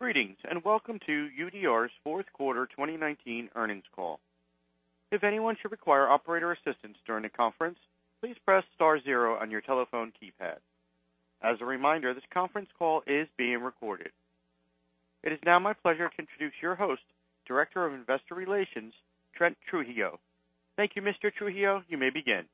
Greetings, and welcome to UDR's fourth quarter 2019 earnings call. If anyone should require operator assistance during the conference, please press star zero on your telephone keypad. As a reminder, this conference call is being recorded. It is now my pleasure to introduce your host, Director of Investor Relations, Trent Trujillo. Thank you, Mr. Trujillo. You may begin.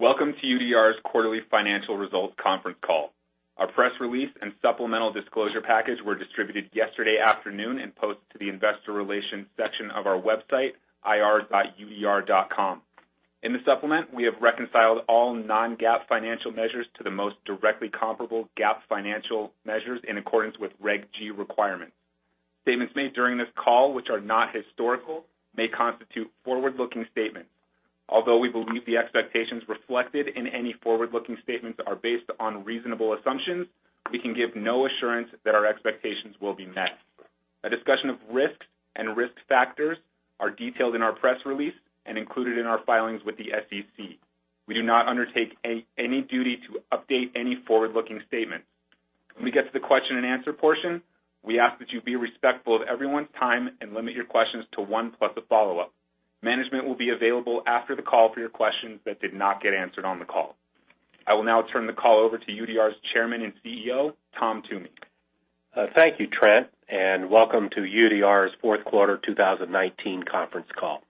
Welcome to UDR's quarterly financial results conference call. Our press release and supplemental disclosure package were distributed yesterday afternoon and posted to the investor relations section of our website, ir.udr.com. In the supplement, we have reconciled all non-GAAP financial measures to the most directly comparable GAAP financial measures in accordance with Reg G requirements. Statements made during this call, which are not historical, may constitute forward-looking statements. Although we believe the expectations reflected in any forward-looking statements are based on reasonable assumptions, we can give no assurance that our expectations will be met. A discussion of risks and risk factors are detailed in our press release and included in our filings with the SEC. We do not undertake any duty to update any forward-looking statements. When we get to the question and answer portion, we ask that you be respectful of everyone's time and limit your questions to one plus a follow-up. Management will be available after the call for your questions that did not get answered on the call. I will now turn the call over to UDR's Chairman and CEO, Tom Toomey. Thank you, Trent. Welcome to UDR's fourth quarter 2019 conference call.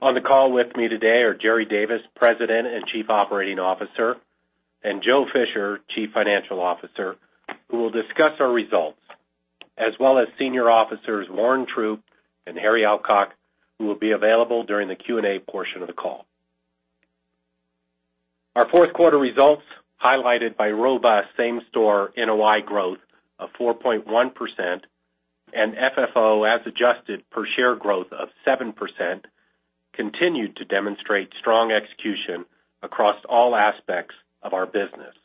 On the call with me today are Jerry Davis, President and Chief Operating Officer, and Joe Fisher, Chief Financial Officer, who will discuss our results, as well as Senior Officers Warren Troupe and Harry Alcock, who will be available during the Q&A portion of the call. Our fourth quarter results, highlighted by robust same-store NOI growth of 4.1% and FFO as adjusted per share growth of 7%, continued to demonstrate strong execution across all aspects of our business.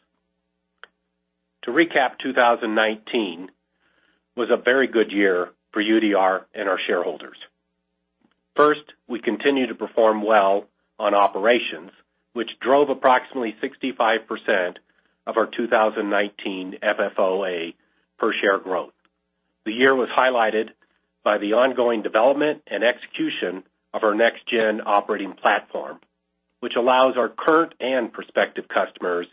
To recap, 2019 was a very good year for UDR and our shareholders. First, we continued to perform well on operations, which drove approximately 65% of our 2019 FFOA per share growth. The year was highlighted by the ongoing development and execution of our Next Gen operating platform, which allows our current and prospective customers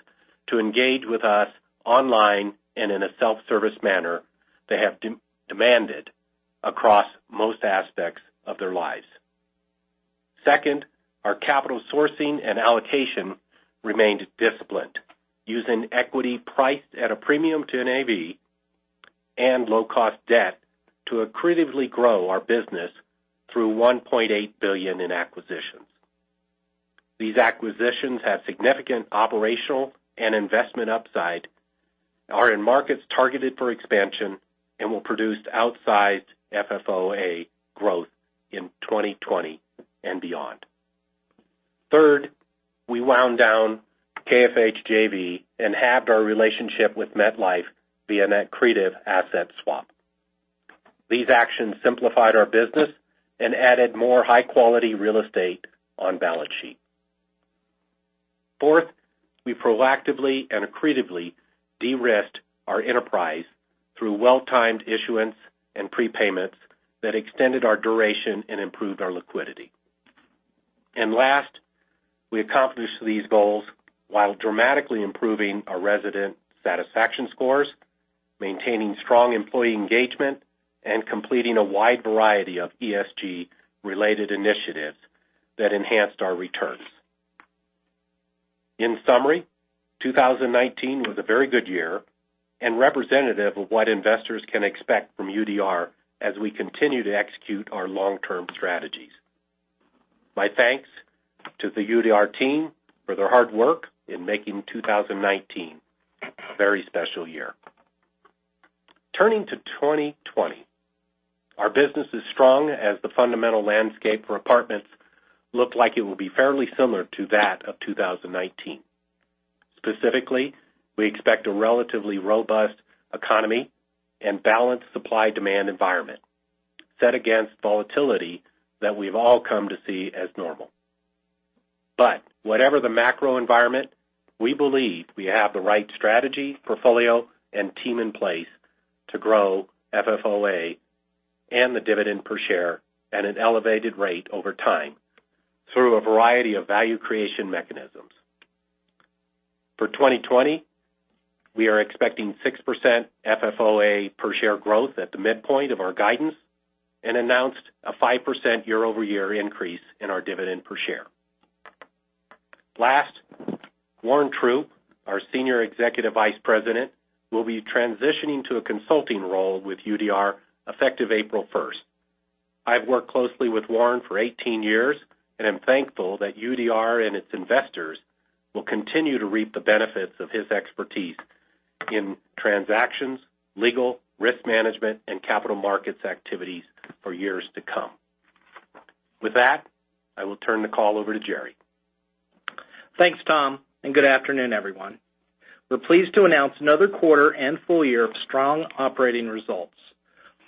to engage with us online and in a self-service manner they have demanded across most aspects of their lives. Second, our capital sourcing and allocation remained disciplined, using equity priced at a premium to NAV and low-cost debt to accretively grow our business through $1.8 billion in acquisitions. These acquisitions have significant operational and investment upside, are in markets targeted for expansion, and will produce outsized FFOA growth in 2020 and beyond. Third, we wound down KFH JV and halved our relationship with MetLife via an accretive asset swap. These actions simplified our business and added more high-quality real estate on balance sheet. Fourth, we proactively and accretively de-risked our enterprise through well-timed issuance and prepayments that extended our duration and improved our liquidity. Last, we accomplished these goals while dramatically improving our resident satisfaction scores, maintaining strong employee engagement, and completing a wide variety of ESG-related initiatives that enhanced our returns. In summary, 2019 was a very good year and representative of what investors can expect from UDR as we continue to execute our long-term strategies. My thanks to the UDR team for their hard work in making 2019 a very special year. Turning to 2020, our business is strong as the fundamental landscape for apartments look like it will be fairly similar to that of 2019. Specifically, we expect a relatively robust economy and balanced supply-demand environment set against volatility that we've all come to see as normal. Whatever the macro environment, we believe we have the right strategy, portfolio, and team in place to grow FFOA and the dividend per share at an elevated rate over time through a variety of value creation mechanisms. For 2020, we are expecting 6% FFOA per share growth at the midpoint of our guidance and announced a 5% year-over-year increase in our dividend per share. Last, Warren Troupe, our Senior Executive Vice President, will be transitioning to a consulting role with UDR effective April 1st. I've worked closely with Warren for 18 years, and am thankful that UDR and its investors will continue to reap the benefits of his expertise in transactions, legal, risk management, and capital markets activities for years to come. With that, I will turn the call over to Jerry. Thanks, Tom, good afternoon, everyone. We're pleased to announce another quarter and full year of strong operating results.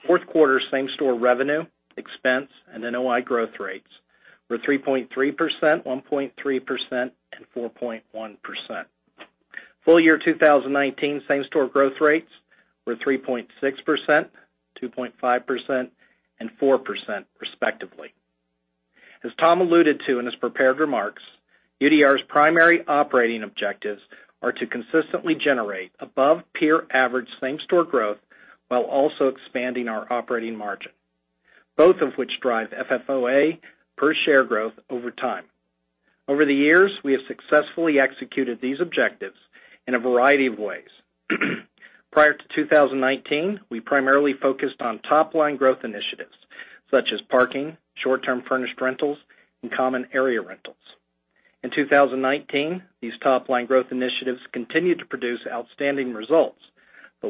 Fourth quarter same-store revenue, expense, and NOI growth rates were 3.3%, 1.3%, and 4.1%. Full year 2019 same-store growth rates were 3.6%, 2.5%, and 4%, respectively. As Tom alluded to in his prepared remarks, UDR's primary operating objectives are to consistently generate above-peer average same-store growth while also expanding our operating margin, both of which drive FFOA per share growth over time. Over the years, we have successfully executed these objectives in a variety of ways. Prior to 2019, we primarily focused on top-line growth initiatives such as parking, short-term furnished rentals, and common area rentals. In 2019, these top-line growth initiatives continued to produce outstanding results,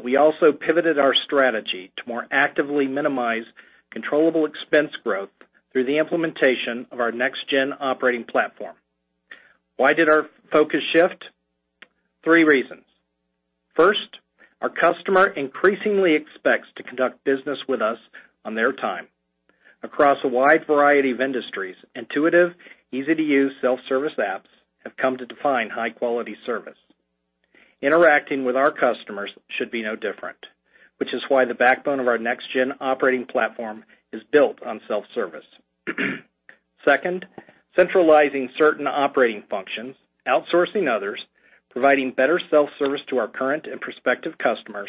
we also pivoted our strategy to more actively minimize controllable expense growth through the implementation of our Next Gen operating platform. Why did our focus shift? Three reasons. First, our customer increasingly expects to conduct business with us on their time. Across a wide variety of industries, intuitive, easy-to-use self-service apps have come to define high-quality service. Interacting with our customers should be no different, which is why the backbone of our Next Gen operating platform is built on self-service. Second, centralizing certain operating functions, outsourcing others, providing better self-service to our current and prospective customers,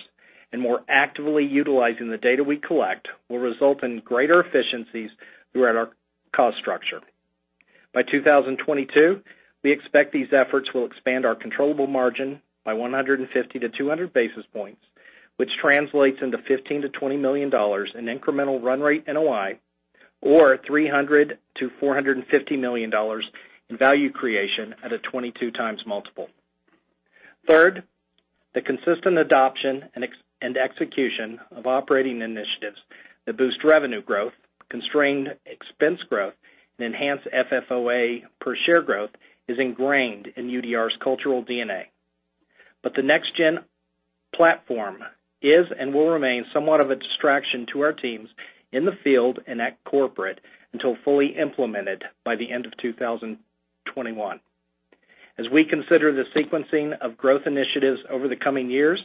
and more actively utilizing the data we collect will result in greater efficiencies throughout our cost structure. By 2022, we expect these efforts will expand our controllable margin by 150 to 200 basis points, which translates into $15 million-$20 million in incremental run rate NOI or $300 million-$450 million in value creation at a 22x multiple. Third, the consistent adoption and execution of operating initiatives that boost revenue growth, constrain expense growth, and enhance FFOA per share growth is ingrained in UDR's cultural DNA. The Next Gen platform is and will remain somewhat of a distraction to our teams in the field and at corporate until fully implemented by the end of 2021. As we consider the sequencing of growth initiatives over the coming years,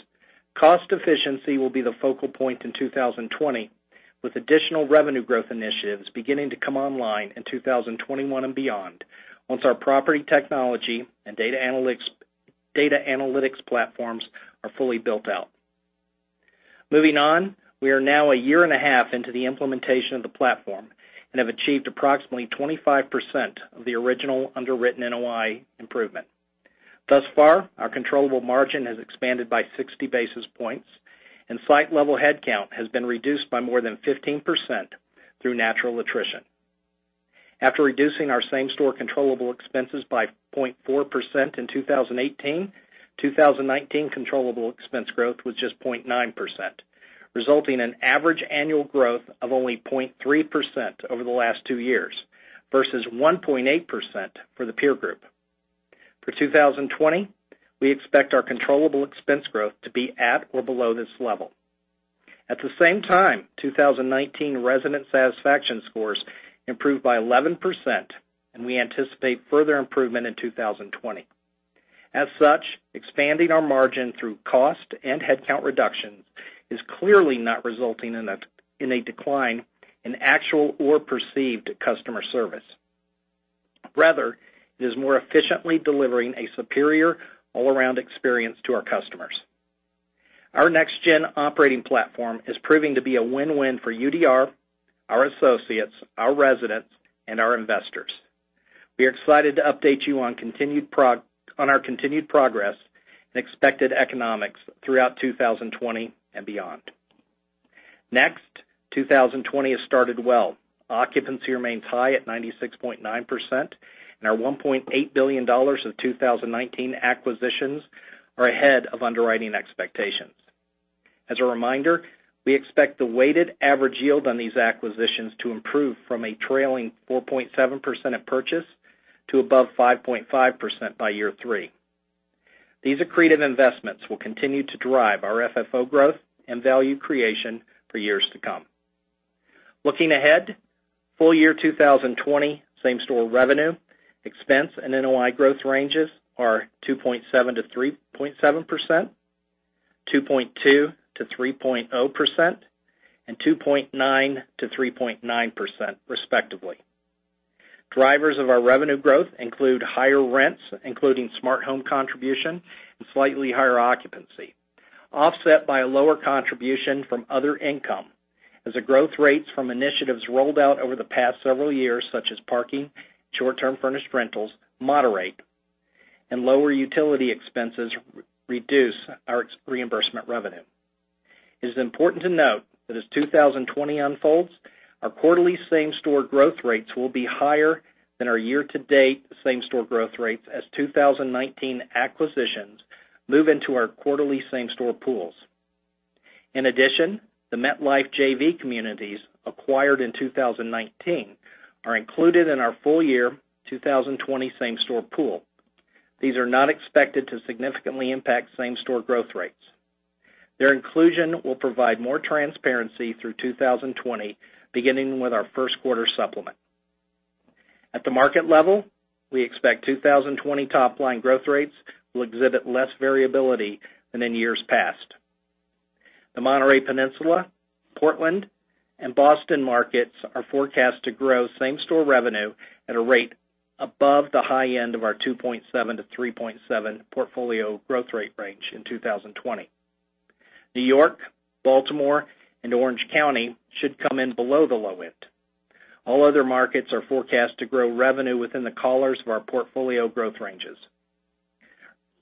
cost efficiency will be the focal point in 2020, with additional revenue growth initiatives beginning to come online in 2021 and beyond once our property technology and data analytics platforms are fully built out. Moving on, we are now a year and a half into the implementation of the platform and have achieved approximately 25% of the original underwritten NOI improvement. Thus far, our controllable margin has expanded by 60 basis points, and site-level headcount has been reduced by more than 15% through natural attrition. After reducing our same-store controllable expenses by 0.4% in 2018, 2019 controllable expense growth was just 0.9%, resulting in average annual growth of only 0.3% over the last two years versus 1.8% for the peer group. For 2020, we expect our controllable expense growth to be at or below this level. At the same time, 2019 resident satisfaction scores improved by 11%, and we anticipate further improvement in 2020. As such, expanding our margin through cost and headcount reductions is clearly not resulting in a decline in actual or perceived customer service. It is more efficiently delivering a superior all-around experience to our customers. Our Next Gen operating platform is proving to be a win-win for UDR, our associates, our residents, and our investors. We are excited to update you on our continued progress and expected economics throughout 2020 and beyond. Next, 2020 has started well. Occupancy remains high at 96.9%, and our $1.8 billion of 2019 acquisitions are ahead of underwriting expectations. As a reminder, we expect the weighted average yield on these acquisitions to improve from a trailing 4.7% at purchase to above 5.5% by year three. These accretive investments will continue to drive our FFO growth and value creation for years to come. Looking ahead, full year 2020 same-store revenue, expense, and NOI growth ranges are 2.7%-3.7%, 2.2%-3.0%, and 2.9%-3.9%, respectively. Drivers of our revenue growth include higher rents, including smart home contribution, and slightly higher occupancy, offset by a lower contribution from other income as the growth rates from initiatives rolled out over the past several years, such as parking, short-term furnished rentals, moderate, and lower utility expenses reduce our reimbursement revenue. It is important to note that as 2020 unfolds, our quarterly same-store growth rates will be higher than our year-to-date same-store growth rates as 2019 acquisitions move into our quarterly same-store pools. In addition, the MetLife JV communities acquired in 2019 are included in our full-year 2020 same-store pool. These are not expected to significantly impact same-store growth rates. Their inclusion will provide more transparency through 2020, beginning with our first quarter supplement. At the market level, we expect 2020 top-line growth rates will exhibit less variability than in years past. The Monterey Peninsula, Portland, and Boston markets are forecast to grow same-store revenue at a rate above the high end of our 2.7%-3.7% portfolio growth rate range in 2020. New York, Baltimore, and Orange County should come in below the low end. All other markets are forecast to grow revenue within the collars of our portfolio growth ranges.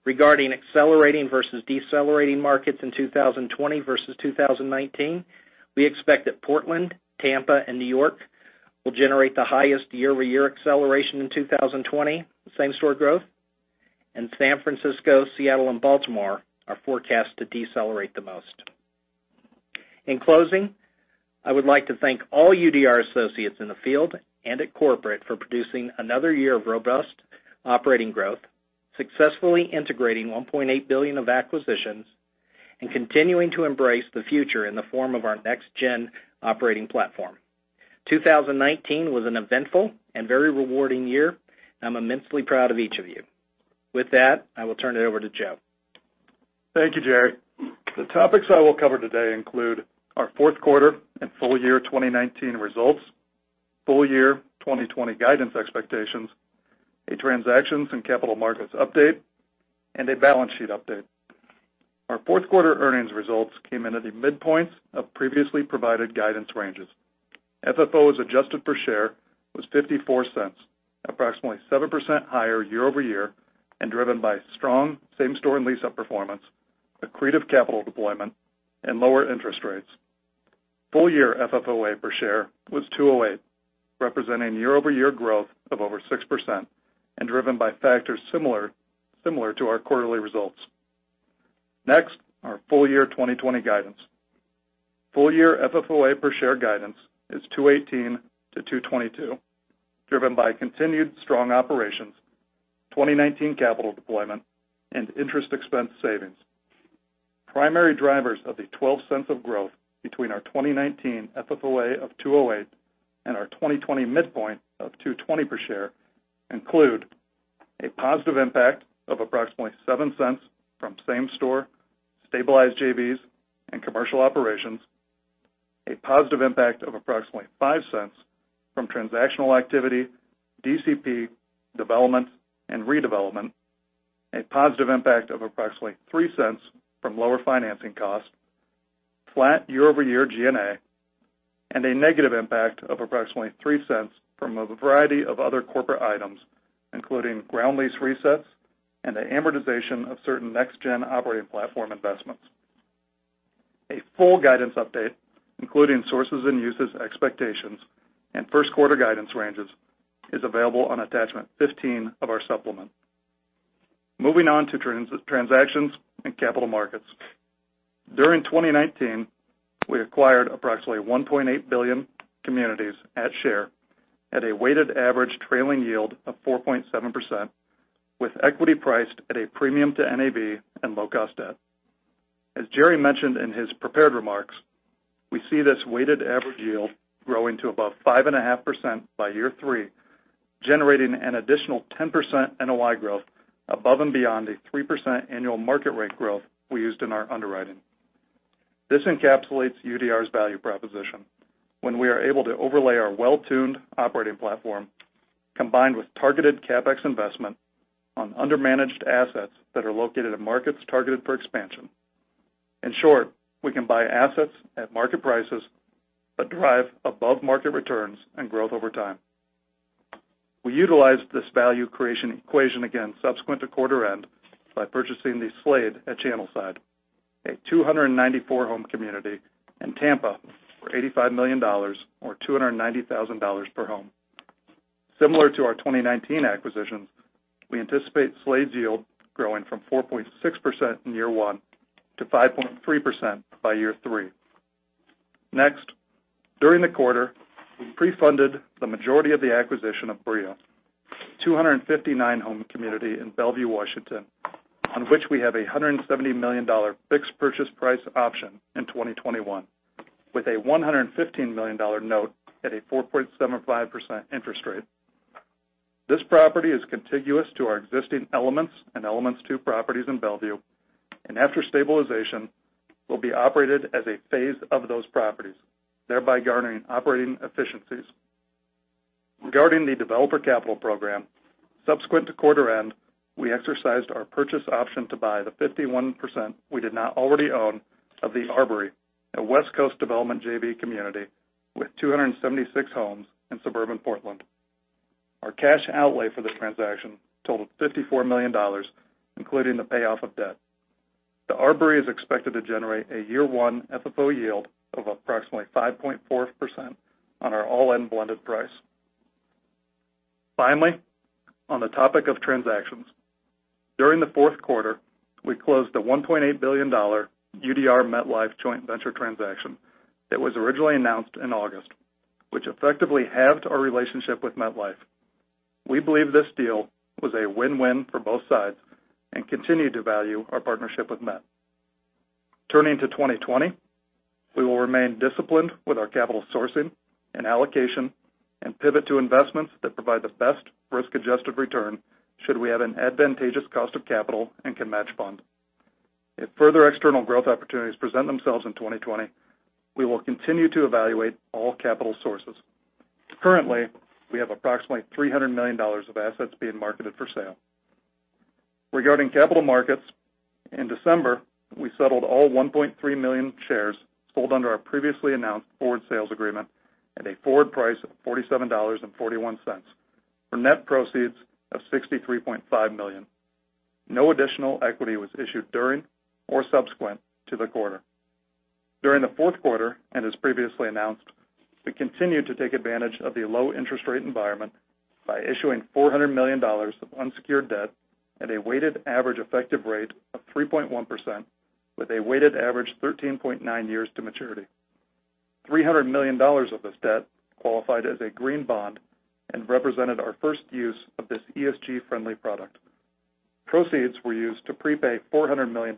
Regarding accelerating versus decelerating markets in 2020 versus 2019, we expect that Portland, Tampa, and New York will generate the highest year-over-year acceleration in 2020 same-store growth, and San Francisco, Seattle, and Baltimore are forecast to decelerate the most. In closing, I would like to thank all UDR associates in the field and at corporate for producing another year of robust operating growth, successfully integrating $1.8 billion of acquisitions, and continuing to embrace the future in the form of our Next Gen operating platform. 2019 was an eventful and very rewarding year. I'm immensely proud of each of you. With that, I will turn it over to Joe. Thank you, Jerry. The topics I will cover today include our fourth quarter and full year 2019 results, full year 2020 guidance expectations, a transactions and capital markets update, and a balance sheet update. Our fourth quarter earnings results came in at the midpoints of previously provided guidance ranges. FFOA per share was $0.54, approximately 7% higher year-over-year, and driven by strong same-store and lease-up performance, accretive capital deployment, and lower interest rates. Full year FFOA per share was $2.08, representing year-over-year growth of over 6% and driven by factors similar to our quarterly results. Our full year 2020 guidance. Full year FFOA per share guidance is $2.18-$2.22, driven by continued strong operations, 2019 capital deployment, and interest expense savings. Primary drivers of the $0.12 of growth between our 2019 FFOA of $2.08 and our 2020 midpoint of $2.20 per share include a positive impact of approximately $0.07 from same store, stabilized JVs, and commercial operations, a positive impact of approximately $0.05 from transactional activity, DCP development and redevelopment, a positive impact of approximately $0.03 from lower financing costs, flat year-over-year G&A, and a negative impact of approximately $0.03 from a variety of other corporate items, including ground lease resets and the amortization of certain Next Gen operating platform investments. A full guidance update, including sources and uses expectations and first quarter guidance ranges, is available on attachment 15 of our supplement. Moving on to transactions and capital markets. During 2019, we acquired approximately $1.8 billion communities at share at a weighted average trailing yield of 4.7%, with equity priced at a premium to NAV and low cost debt. As Jerry mentioned in his prepared remarks, we see this weighted average yield growing to above 5.5% by year three, generating an additional 10% NOI growth above and beyond a 3% annual market rate growth we used in our underwriting. This encapsulates UDR's value proposition when we are able to overlay our well-tuned operating platform combined with targeted CapEx investment on under-managed assets that are located in markets targeted for expansion. In short, we can buy assets at market prices but derive above market returns and growth over time. We utilized this value creation equation again subsequent to quarter end by purchasing The Slade at Channelside, a 294-home community in Tampa for $85 million, or $290,000 per home. Similar to our 2019 acquisitions, we anticipate Slade's yield growing from 4.6% in year one to 5.3% by year three. During the quarter, we pre-funded the majority of the acquisition of Brio, a 259-home community in Bellevue, Washington, on which we have a $170 million fixed purchase price option in 2021 with a $115 million note at a 4.75% interest rate. This property is contiguous to our existing Elements and Elements 2 properties in Bellevue, and after stabilization, will be operated as a phase of those properties, thereby garnering operating efficiencies. Regarding the Developer Capital Program, subsequent to quarter end, we exercised our purchase option to buy the 51% we did not already own of The Arbory, a West Coast development JV community with 276 homes in suburban Portland. Our cash outlay for the transaction totaled $54 million, including the payoff of debt. The Arbory is expected to generate a year one FFO yield of approximately 5.4% on our all-in blended price. Finally, on the topic of transactions, during the fourth quarter, we closed the $1.8 billion UDR-MetLife Joint Venture Transaction that was originally announced in August, which effectively halved our relationship with MetLife. We believe this deal was a win-win for both sides and continue to value our partnership with Met. Turning to 2020, we will remain disciplined with our capital sourcing and allocation and pivot to investments that provide the best risk-adjusted return should we have an advantageous cost of capital and can match funds. If further external growth opportunities present themselves in 2020, we will continue to evaluate all capital sources. Currently, we have approximately $300 million of assets being marketed for sale. Regarding capital markets, in December, we settled all 1.3 million shares sold under our previously announced forward sales agreement at a forward price of $47.41, for net proceeds of $63.5 million. No additional equity was issued during or subsequent to the quarter. During the fourth quarter, and as previously announced, we continued to take advantage of the low interest rate environment by issuing $400 million of unsecured debt at a weighted average effective rate of 3.1% with a weighted average 13.9 years to maturity. $300 million of this debt qualified as a green bond and represented our first use of this ESG-friendly product. Proceeds were used to prepay $400 million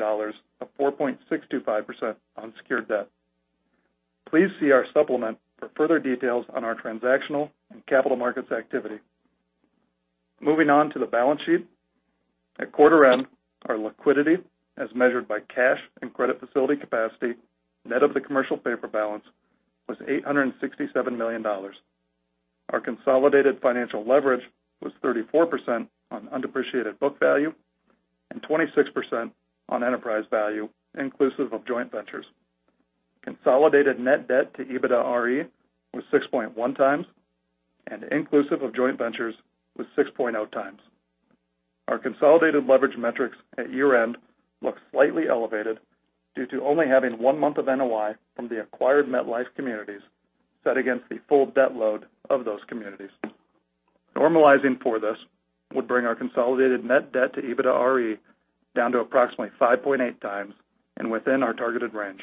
of 4.625% unsecured debt. Please see our supplement for further details on our transactional and capital markets activity. Moving on to the balance sheet. At quarter end, our liquidity, as measured by cash and credit facility capacity, net of the commercial paper balance, was $867 million. Our consolidated financial leverage was 34% on undepreciated book value and 26% on enterprise value, inclusive of joint ventures. Consolidated net debt to EBITDAre was 6.1x and inclusive of joint ventures was 6.0x. Our consolidated leverage metrics at year-end look slightly elevated due to only having one month of NOI from the acquired MetLife communities set against the full debt load of those communities. Normalizing for this would bring our consolidated net debt to EBITDAre down to approximately 5.8x and within our targeted range.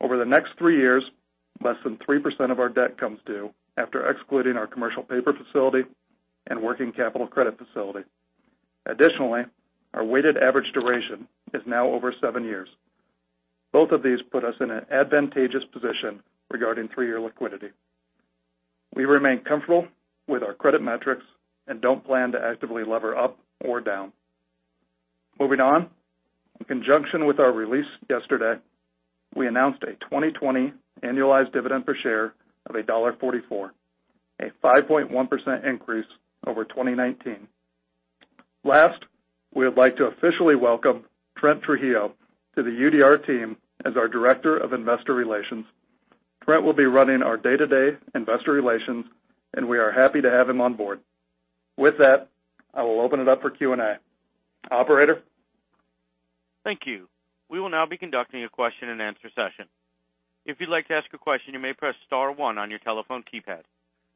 Over the next three years, less than 3% of our debt comes due after excluding our commercial paper facility and working capital credit facility. Additionally, our weighted average duration is now over seven years. Both of these put us in an advantageous position regarding three-year liquidity. We remain comfortable with our credit metrics and don't plan to actively lever up or down. Moving on. In conjunction with our release yesterday, we announced a 2020 annualized dividend per share of $1.44, a 5.1% increase over 2019. Last, we would like to officially welcome Trent Trujillo to the UDR team as our Director of Investor Relations. Trent will be running our day-to-day investor relations, and we are happy to have him on board. With that, I will open it up for Q&A. Operator? Thank you. We will now be conducting a question-and-answer session. If you'd like to ask a question, you may press star one on your telephone keypad.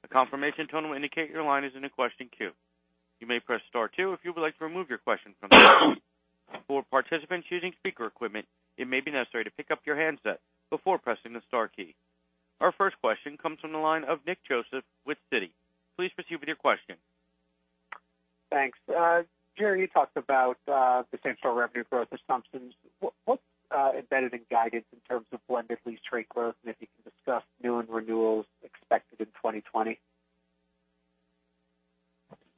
A confirmation tone will indicate your line is in a question queue. You may press star two if you would like to remove your question from the queue. For participants using speaker equipment, it may be necessary to pick up your handset before pressing the star key. Our first question comes from the line of Nick Joseph with Citi. Please proceed with your question. Thanks. Jerry, you talked about the same-store revenue growth assumptions. What's embedded in guidance in terms of blended lease rate growth? If you can discuss new and renewals expected in 2020.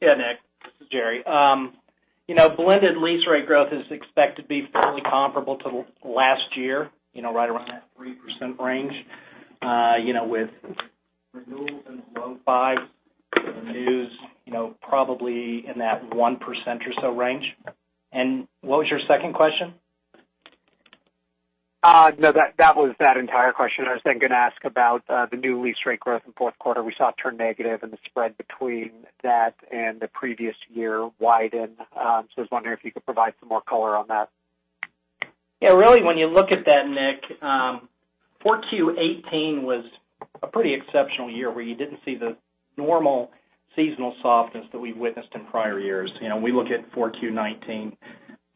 Yeah, Nick. This is Jerry. Blended lease rate growth is expected to be fairly comparable to last year, right around that 3% range, with renewals in the low 5s and the news probably in that 1% or so range. What was your second question? No, that was that entire question. I was going to ask about the new lease rate growth in fourth quarter. We saw it turn negative and the spread between that and the previous year widened. I was wondering if you could provide some more color on that. Really, when you look at that, Nick, 4Q 2018 was a pretty exceptional year where you didn't see the normal seasonal softness that we've witnessed in prior years. We look at 4Q 2019,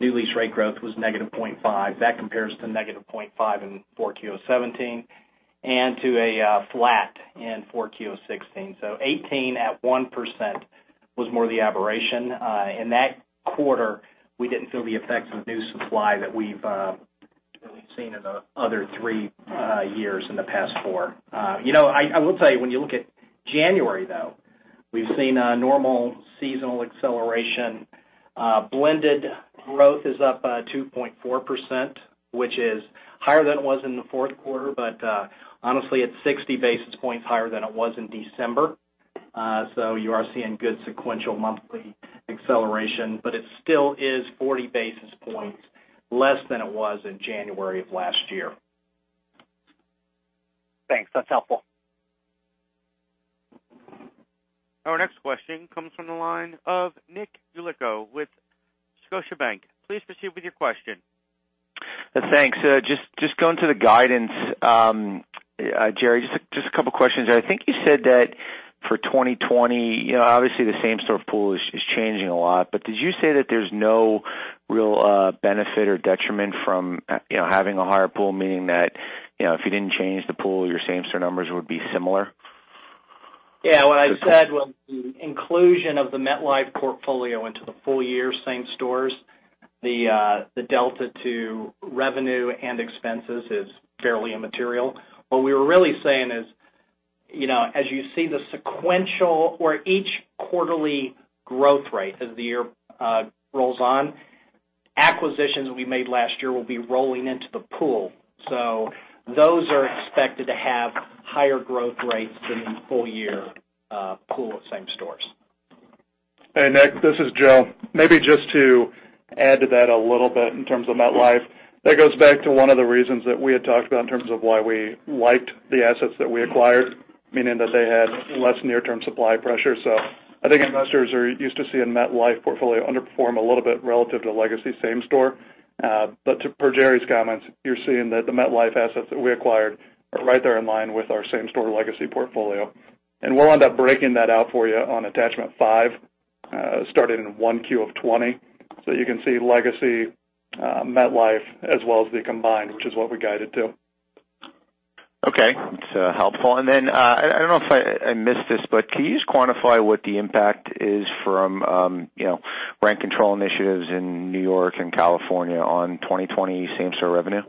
new lease rate growth was -0.5%. That compares to -0.5% in 4Q 2017 and to a flat in 4Q 2016. 2018 at 1% was more the aberration. In that quarter, we didn't feel the effects of new supply that we've seen in the other three years in the past four. I will tell you, when you look at January, though, we've seen a normal seasonal acceleration. Blended growth is up 2.4%, which is higher than it was in the fourth quarter, but honestly, it's 60 basis points higher than it was in December. You are seeing good sequential monthly acceleration, but it still is 40 basis points less than it was in January of last year. Thanks. That's helpful. Our next question comes from the line of Nick Yulico with Scotiabank. Please proceed with your question. Thanks. Just going to the guidance. Jerry, just a couple of questions. I think you said that for 2020, obviously the same-store pool is changing a lot, but did you say that there's no real benefit or detriment from having a higher pool, meaning that if you didn't change the pool, your same-store numbers would be similar? What I said was the inclusion of the MetLife portfolio into the full year same stores, the delta to revenue and expenses is fairly immaterial. What we were really saying is, as you see the sequential, or each quarterly growth rate as the year rolls on, acquisitions we made last year will be rolling into the pool. Those are expected to have higher growth rates than the full year pool of same stores. Nick, this is Joe. Just to add to that a little bit in terms of MetLife. That goes back to one of the reasons that we had talked about in terms of why we liked the assets that we acquired, meaning that they had less near-term supply pressure. I think investors are used to seeing MetLife portfolio underperform a little bit relative to legacy same store. Per Jerry's comments, you're seeing that the MetLife assets that we acquired are right there in line with our same store legacy portfolio, and we'll end up breaking that out for you on attachment five, starting in 1Q of 2020. You can see legacy MetLife as well as the combined, which is what we guided to. Okay. That's helpful. Then I don't know if I missed this, but can you just quantify what the impact is from rent control initiatives in New York and California on 2020 same-store revenue?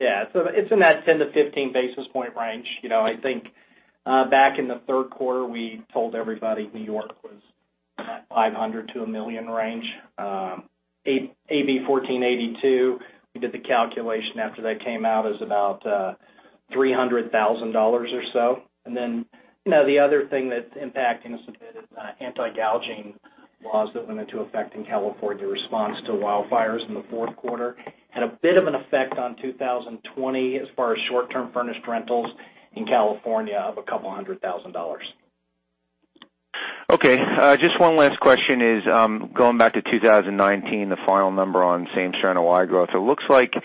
Yeah. It's in that 10 to 15 basis point range. I think back in the third quarter, we told everybody New York was in that $500,000 to $1 million range. AB 1482, we did the calculation after that came out, is about $300,000 or so. The other thing that's impacting us a bit is anti-gouging laws that went into effect in California in response to wildfires in the fourth quarter. Had a bit of an effect on 2020 as far as short-term furnished rentals in California of $200,000. Okay. Just one last question is, going back to 2019, the final number on same-store NOI growth, it looks like it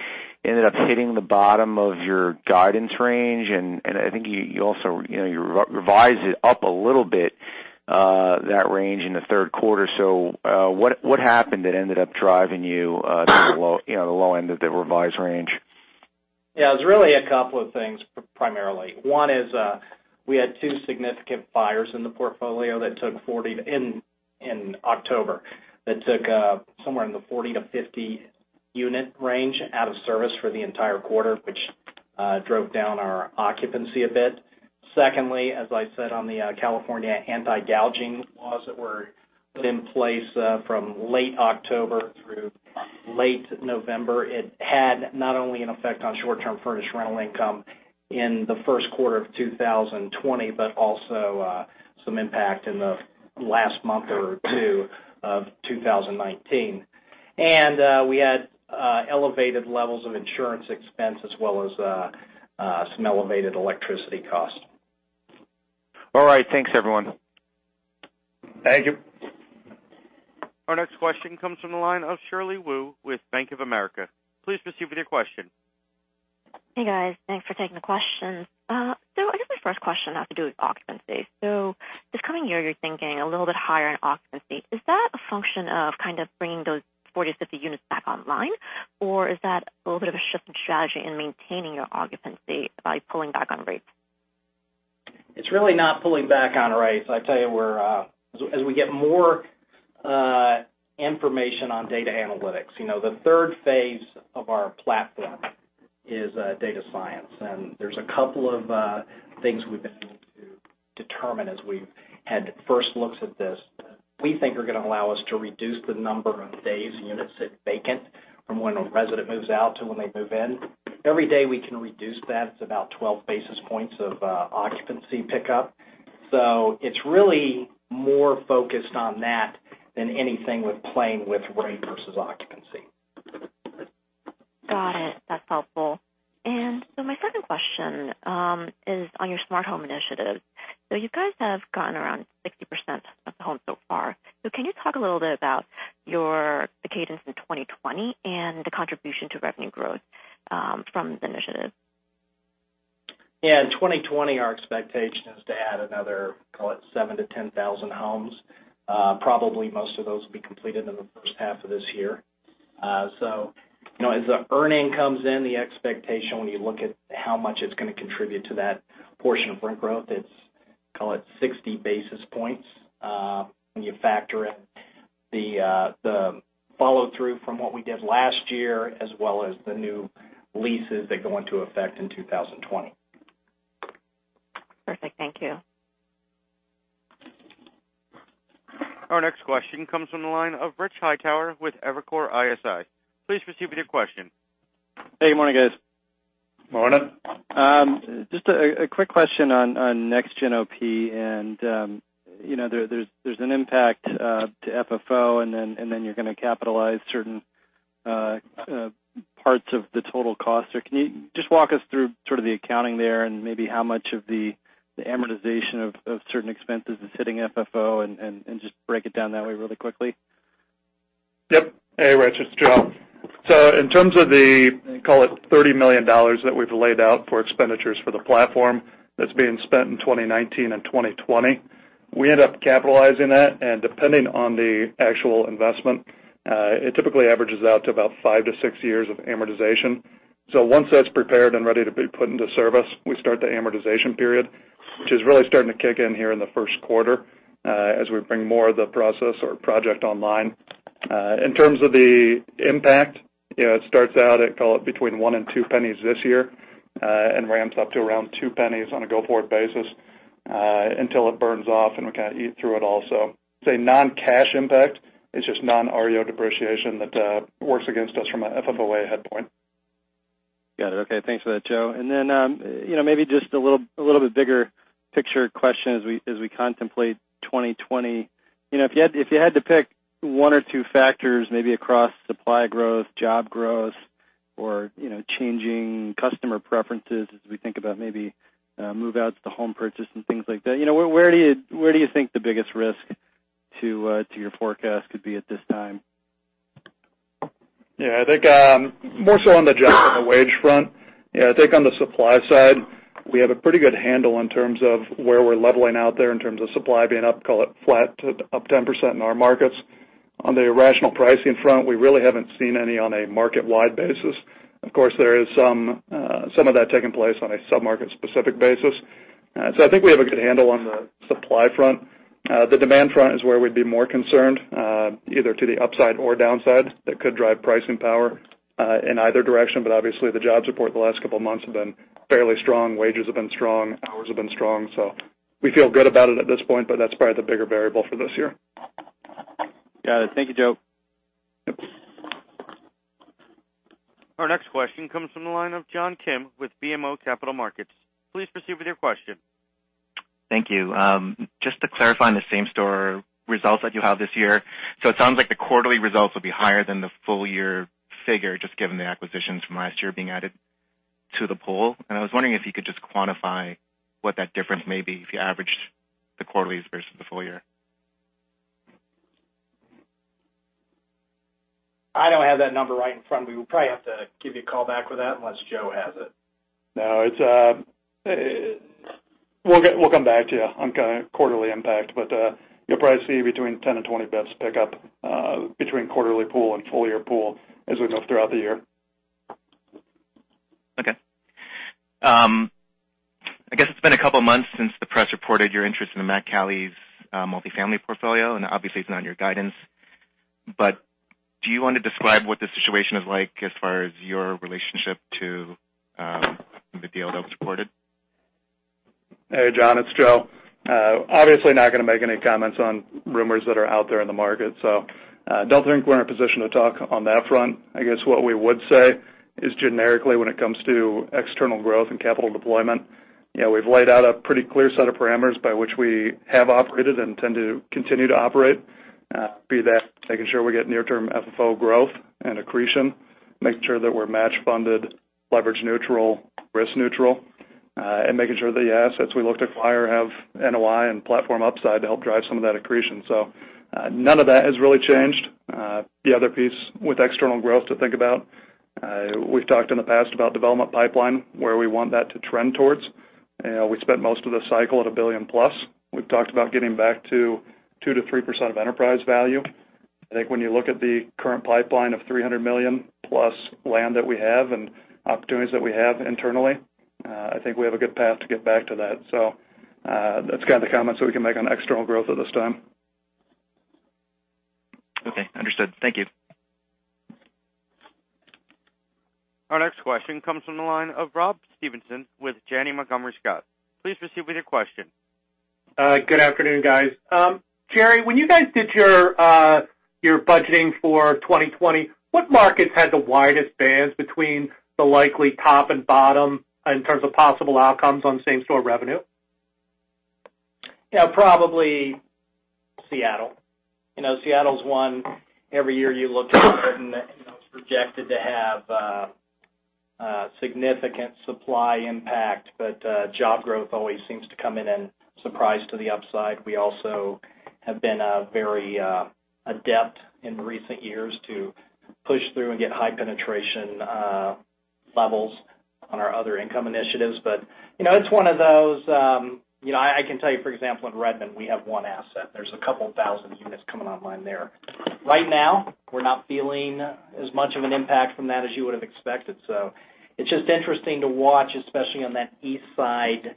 ended up hitting the bottom of your guidance range, and I think you also revised it up a little bit, that range in the third quarter. What happened that ended up driving you to the low end of the revised range? Yeah, it was really a couple of things, primarily. One is, we had two significant fires in the portfolio in October that took somewhere in the 40 to 50 unit range out of service for the entire quarter, which drove down our occupancy a bit. Secondly, as I said on the California anti-gouging laws that were put in place from late October through late November, it had not only an effect on short-term furnished rental income in the first quarter of 2020, but also some impact in the last month or two of 2019. We had elevated levels of insurance expense as well as some elevated electricity costs. All right. Thanks, everyone. Thank you. Our next question comes from the line of Shirley Wu with Bank of America. Please proceed with your question. Hey, guys. Thanks for taking the questions. I guess my first question has to do with occupancy. This coming year, you're thinking a little bit higher in occupancy. Is that a function of bringing those 40, 50 units back online, or is that a little bit of a shift in strategy in maintaining your occupancy by pulling back on rates? It's really not pulling back on rates. I tell you, as we get more information on data analytics, the third phase of our platform is data science, and there's a couple of things we've been able to determine as we've had first looks at this that we think are going to allow us to reduce the number of days units sit vacant from when a resident moves out to when they move in. Every day we can reduce that, it's about 12 basis points of occupancy pickup. It's really more focused on that than anything with playing with rate versus occupancy. Got it. That's helpful. My second question is on your smart home initiatives. You guys have gotten around 60% of the homes so far. Can you talk a little bit about your cadence in 2020 and the contribution to revenue growth from the initiative? In 2020, our expectation is to add another, call it 7,000 to 10,000 homes. Probably most of those will be completed in the first half of this year. As the earnings comes in, the expectation when you look at how much it's going to contribute to that portion of rent growth, it's, call it, 60 basis points when you factor in the follow-through from what we did last year as well as the new leases that go into effect in 2020. Perfect. Thank you. Our next question comes from the line of Rich Hightower with Evercore ISI. Please proceed with your question. Hey, good morning, guys. Morning. Just a quick question on Next Gen OP, and there's an impact to FFO, and then you're going to capitalize certain parts of the total cost. Can you just walk us through sort of the accounting there and maybe how much of the amortization of certain expenses is hitting FFO and just break it down that way really quickly? Yep. Hey, Rich, it's Joe. In terms of the, call it $30 million that we've laid out for expenditures for the platform that's being spent in 2019 and 2020, we end up capitalizing that, and depending on the actual investment, it typically averages out to about five to six years of amortization. Once that's prepared and ready to be put into service, we start the amortization period, which is really starting to kick in here in the first quarter as we bring more of the process or project online. In terms of the impact, it starts out at, call it, between $0.01 and $0.02 this year, and ramps up to around $0.02 on a go-forward basis, until it burns off and we kind of eat through it all. It's a non-cash impact. It's just non-REO depreciation that works against us from an FFOA standpoint. Got it. Okay. Thanks for that, Joe. Then, maybe just a little bit bigger picture question as we contemplate 2020. If you had to pick one or two factors, maybe across supply growth, job growth, or changing customer preferences as we think about maybe move-outs to home purchase and things like that, where do you think the biggest risk to your forecast could be at this time? Yeah, I think more so on the job and the wage front. I think on the supply side, we have a pretty good handle in terms of where we're leveling out there in terms of supply being up, call it, flat to up 10% in our markets. On the irrational pricing front, we really haven't seen any on a market-wide basis. Of course, there is some of that taking place on a sub-market specific basis. I think we have a good handle on the supply front. The demand front is where we'd be more concerned, either to the upside or downside that could drive pricing power, in either direction, but obviously the jobs report the last couple of months have been fairly strong. Wages have been strong, hours have been strong. We feel good about it at this point, but that's probably the bigger variable for this year. Got it. Thank you, Joe. Yep. Our next question comes from the line of John Kim with BMO Capital Markets. Please proceed with your question. Thank you. Just to clarify on the same-store results that you have this year. It sounds like the quarterly results will be higher than the full-year figure, just given the acquisitions from last year being added to the pool. I was wondering if you could just quantify what that difference may be if you averaged the quarterlies versus the full year. I don't have that number right in front of me. We'll probably have to give you a call back with that, unless Joe has it. No, we'll come back to you on kind of quarterly impact, but you'll probably see between 10 and 20 basis points pick up between quarterly pool and full-year pool as we move throughout the year. Okay. I guess it's been a couple of months since the press reported your interest in the Mack-Cali's multifamily portfolio, and obviously it's not in your guidance, but do you want to describe what the situation is like as far as your relationship to the deal that was reported? Hey, John, it's Joe. Obviously not going to make any comments on rumors that are out there in the market, don't think we're in a position to talk on that front. I guess what we would say is generically, when it comes to external growth and capital deployment, we've laid out a pretty clear set of parameters by which we have operated and intend to continue to operate. Be that taking sure we get near-term FFO growth and accretion, making sure that we're match funded, leverage neutral, risk neutral, and making sure the assets we look to acquire have NOI and platform upside to help drive some of that accretion. None of that has really changed. The other piece with external growth to think about, we've talked in the past about development pipeline, where we want that to trend towards. We spent most of the cycle at $1 billion+. We've talked about getting back to 2%-3% of enterprise value. I think when you look at the current pipeline of $300 million plus land that we have and opportunities that we have internally, I think we have a good path to get back to that. That's kind of the comments that we can make on external growth at this time. Okay, understood. Thank you. Our next question comes from the line of Rob Stevenson with Janney Montgomery Scott. Please proceed with your question. Good afternoon, guys. Jerry, when you guys did your budgeting for 2020, what markets had the widest bands between the likely top and bottom in terms of possible outcomes on same-store revenue? Yeah, probably Seattle. Seattle's one every year you look at it and it's projected to have significant supply impact, but job growth always seems to come in and surprise to the upside. We also have been very adept in recent years to push through and get high penetration levels on our other income initiatives. It's one of those I can tell you, for example, in Redmond, we have one asset. There's a couple thousand units coming online there. Right now, we're not feeling as much of an impact from that as you would've expected. It's just interesting to watch, especially on that east side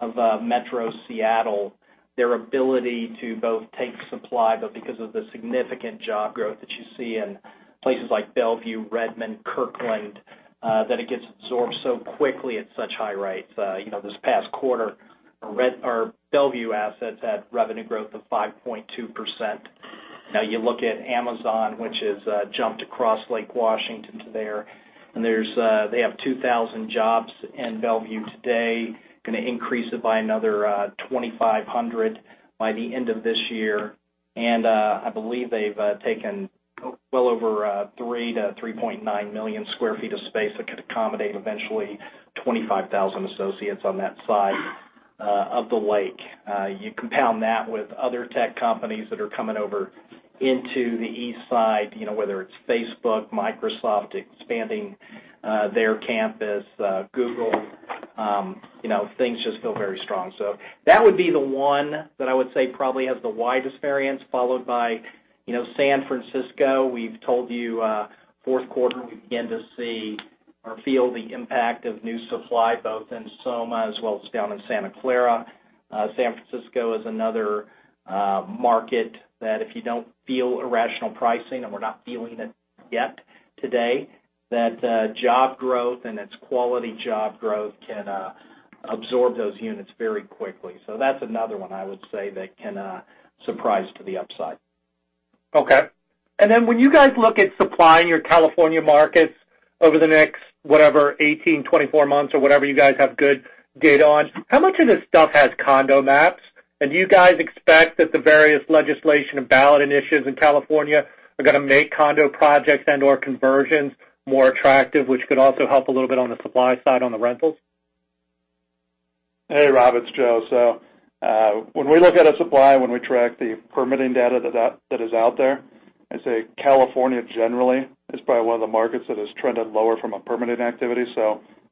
of Metro Seattle, their ability to both take supply, but because of the significant job growth that you see in places like Bellevue, Redmond, Kirkland, that it gets absorbed so quickly at such high rates. This past quarter, our Bellevue assets had revenue growth of 5.2%. You look at Amazon, which has jumped across Lake Washington to there. They have 2,000 jobs in Bellevue today, going to increase it by another 2,500 by the end of this year. I believe they've taken well over 3 million sq ft-3.9 million sq ft of space that could accommodate eventually 25,000 associates on that side. Of the lake. You compound that with other tech companies that are coming over into the east side, whether it's Facebook, Microsoft expanding their campus, Google. Things just feel very strong. That would be the one that I would say probably has the widest variance followed by San Francisco. We've told you, fourth quarter, we begin to see or feel the impact of new supply, both in SoMa, as well as down in Santa Clara. San Francisco is another market that if you don't feel irrational pricing, and we're not feeling it yet today, that job growth and its quality job growth can absorb those units very quickly. That's another one I would say that can surprise to the upside. Okay. When you guys look at supplying your California markets over the next, whatever, 18, 24 months or whatever you guys have good data on, how much of this stuff has condo maps? Do you guys expect that the various legislation and ballot initiatives in California are going to make condo projects and/or conversions more attractive, which could also help a little bit on the supply side on the rentals? Hey, Rob, it's Joe. When we look at a supply, when we track the permitting data that is out there, I'd say California generally is probably one of the markets that has trended lower from a permitting activity.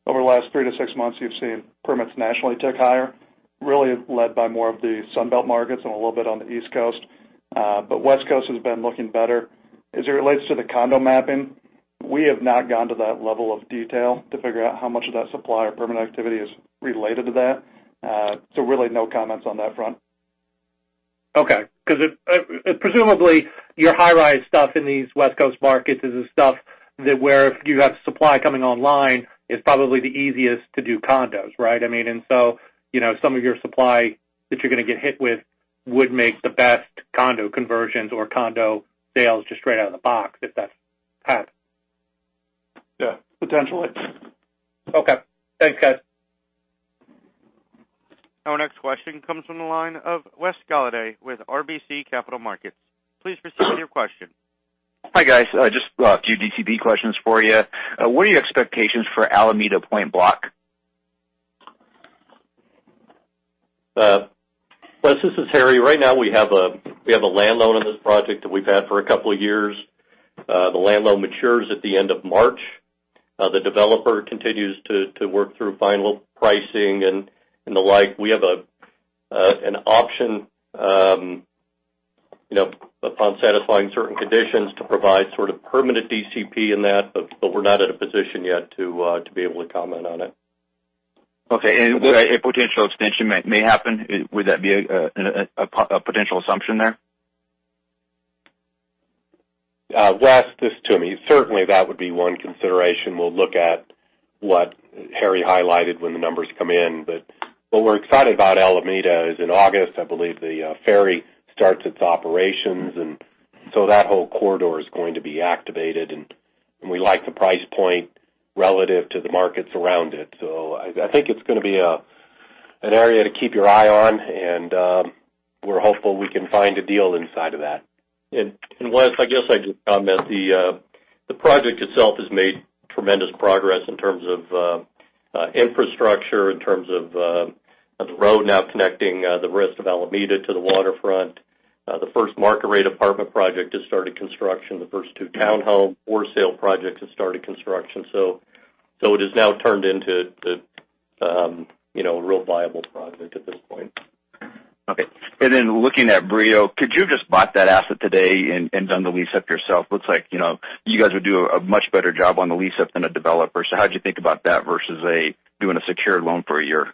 Over the last three to six months, you've seen permits nationally tick higher, really led by more of the Sun Belt markets and a little bit on the East Coast. West Coast has been looking better. As it relates to the condo mapping, we have not gone to that level of detail to figure out how much of that supply or permit activity is related to that. Really, no comments on that front. Okay. Because presumably, your high-rise stuff in these West Coast markets is the stuff that where if you have supply coming online, it's probably the easiest to do condos, right? Some of your supply that you're going to get hit with would make the best condo conversions or condo sales just straight out of the box if that's happening. Yeah. Potentially. Okay. Thanks, guys. Our next question comes from the line of Wes Golladay with RBC Capital Markets. Please proceed with your question. Hi, guys. Just a few DCP questions for you. What are your expectations for Alameda Point Block? Wes, this is Harry. Right now, we have a land loan on this project that we've had for a couple of years. The land loan matures at the end of March. The developer continues to work through final pricing and the like. We have an option, upon satisfying certain conditions, to provide sort of permanent DCP in that, but we're not in a position yet to be able to comment on it. Okay, would a potential extension may happen? Would that be a potential assumption there? Wes, this is Toomey. Certainly, that would be one consideration. We'll look at what Harry highlighted when the numbers come in. What we're excited about Alameda is in August, I believe the ferry starts its operations, and so that whole corridor is going to be activated, and we like the price point relative to the markets around it. I think it's going to be an area to keep your eye on, and we're hopeful we can find a deal inside of that. Wes, I guess I'd just comment, the project itself has made tremendous progress in terms of infrastructure, in terms of the road now connecting the rest of Alameda to the waterfront. The first market-rate apartment project has started construction. The first two townhome for-sale projects have started construction. It has now turned into a real viable project at this point. Okay. Looking at Brio, could you have just bought that asset today and done the lease up yourself? Looks like you guys would do a much better job on the lease up than a developer. How'd you think about that versus doing a secured loan for a year?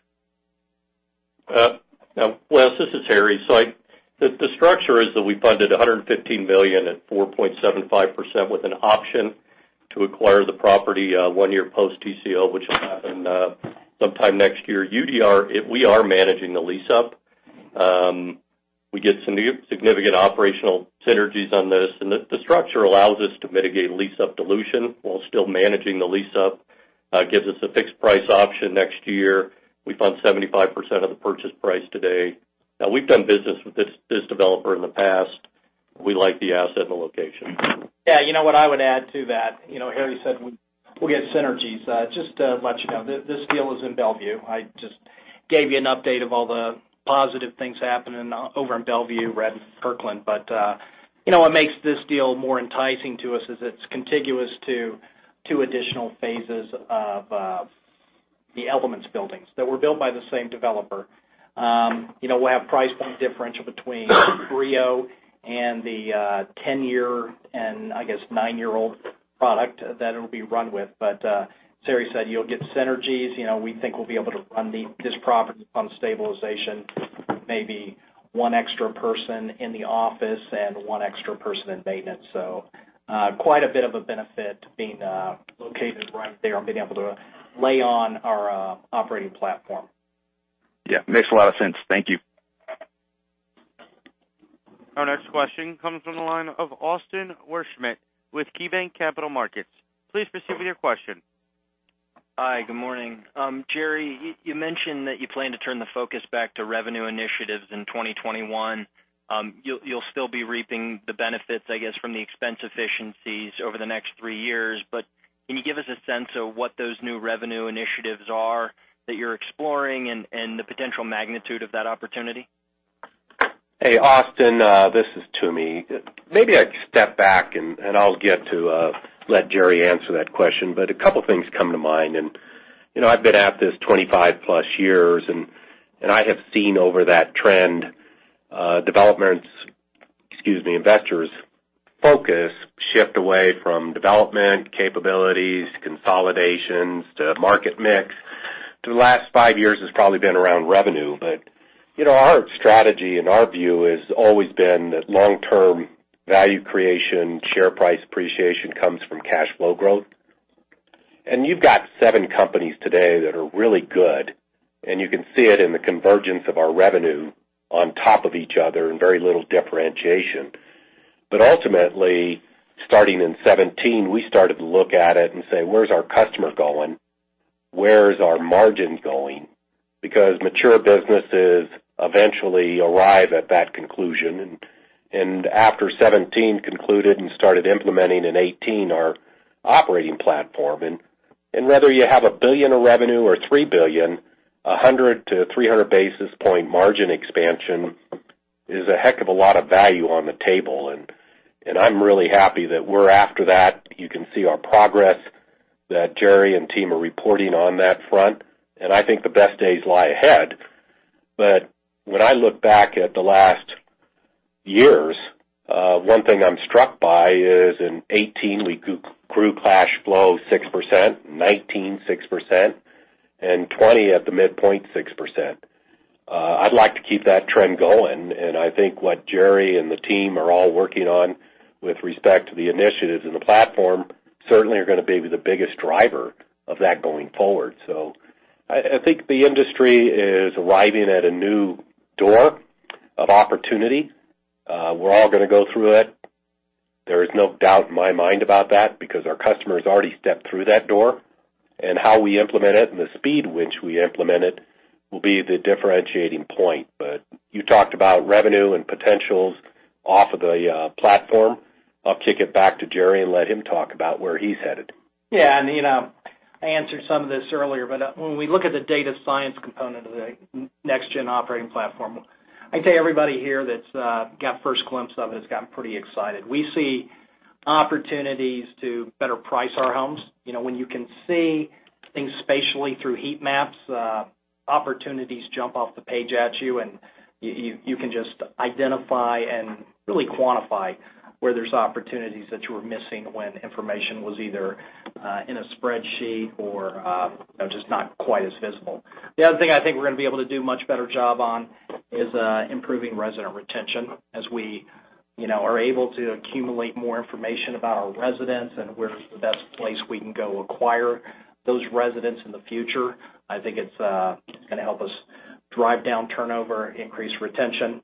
Wes, this is Harry. The structure is that we funded $115 million at 4.75% with an option to acquire the property one year post TCO, which will happen sometime next year. UDR, we are managing the lease up. We get some significant operational synergies on this, and the structure allows us to mitigate lease-up dilution while still managing the lease up. Gives us a fixed price option next year. We fund 75% of the purchase price today. We've done business with this developer in the past. We like the asset and the location. Yeah, you know what I would add to that? Harry said we'll get synergies. Just to let you know, this deal is in Bellevue. I just gave you an update of all the positive things happening over in Bellevue, Redmond, Kirkland. What makes this deal more enticing to us is it's contiguous to two additional phases of the Elements buildings that were built by the same developer. We'll have price point differential between Brio and the 10-year, and I guess, nine-year-old product that it'll be run with. As Harry said, you'll get synergies. We think we'll be able to run this property from stabilization with maybe one extra person in the office and one extra person in maintenance. Quite a bit of a benefit being located right there and being able to lay on our operating platform. Yeah, makes a lot of sense. Thank you. Our next question comes from the line of Austin Wurschmidt with KeyBanc Capital Markets. Please proceed with your question. Hi, good morning. Jerry, you mentioned that you plan to turn the focus back to revenue initiatives in 2021. You'll still be reaping the benefits, I guess, from the expense efficiencies over the next three years. Can you give us a sense of what those new revenue initiatives are that you're exploring and the potential magnitude of that opportunity? Hey, Austin, this is Toomey. Maybe I'd step back and I'll get to let Jerry answer that question. A couple of things come to mind, and I've been at this 25+ years, and I have seen over that trend, investors' focus shift away from development capabilities, consolidations to market mix. To the last five years has probably been around revenue. Our strategy and our view has always been that long-term value creation, share price appreciation comes from cash flow growth. You've got seven companies today that are really good, and you can see it in the convergence of our revenue on top of each other and very little differentiation. Ultimately, starting in 2017, we started to look at it and say, "Where's our customer going? Where's our margin going? Mature businesses eventually arrive at that conclusion, and after 2017 concluded and started implementing in 2018 our operating platform. Whether you have $1 billion of revenue or $3 billion, 100-300 basis point margin expansion is a heck of a lot of value on the table. I'm really happy that we're after that. You can see our progress that Jerry and team are reporting on that front, and I think the best days lie ahead. When I look back at the last years, one thing I'm struck by is in 2018, we grew cash flow 6%, 2019, 6%, and 2020 at the midpoint, 6%. I'd like to keep that trend going. I think what Jerry and the team are all working on with respect to the initiatives and the platform certainly are going to be the biggest driver of that going forward. I think the industry is arriving at a new door of opportunity. We're all going to go through it. There is no doubt in my mind about that because our customers already stepped through that door, and how we implement it and the speed which we implement it will be the differentiating point. You talked about revenue and potentials off of the platform. I'll kick it back to Jerry and let him talk about where he's headed. Yeah. I answered some of this earlier, but when we look at the data science component of the Next Gen operating platform, I can tell you everybody here that's got first glimpse of it has gotten pretty excited. We see opportunities to better price our homes. When you can see things spatially through heat maps, opportunities jump off the page at you, and you can just identify and really quantify where there's opportunities that you were missing when information was either in a spreadsheet or just not quite as visible. The other thing I think we're going to be able to do much better job on is improving resident retention as we are able to accumulate more information about our residents and where's the best place we can go acquire those residents in the future. I think it's going to help us drive down turnover, increase retention.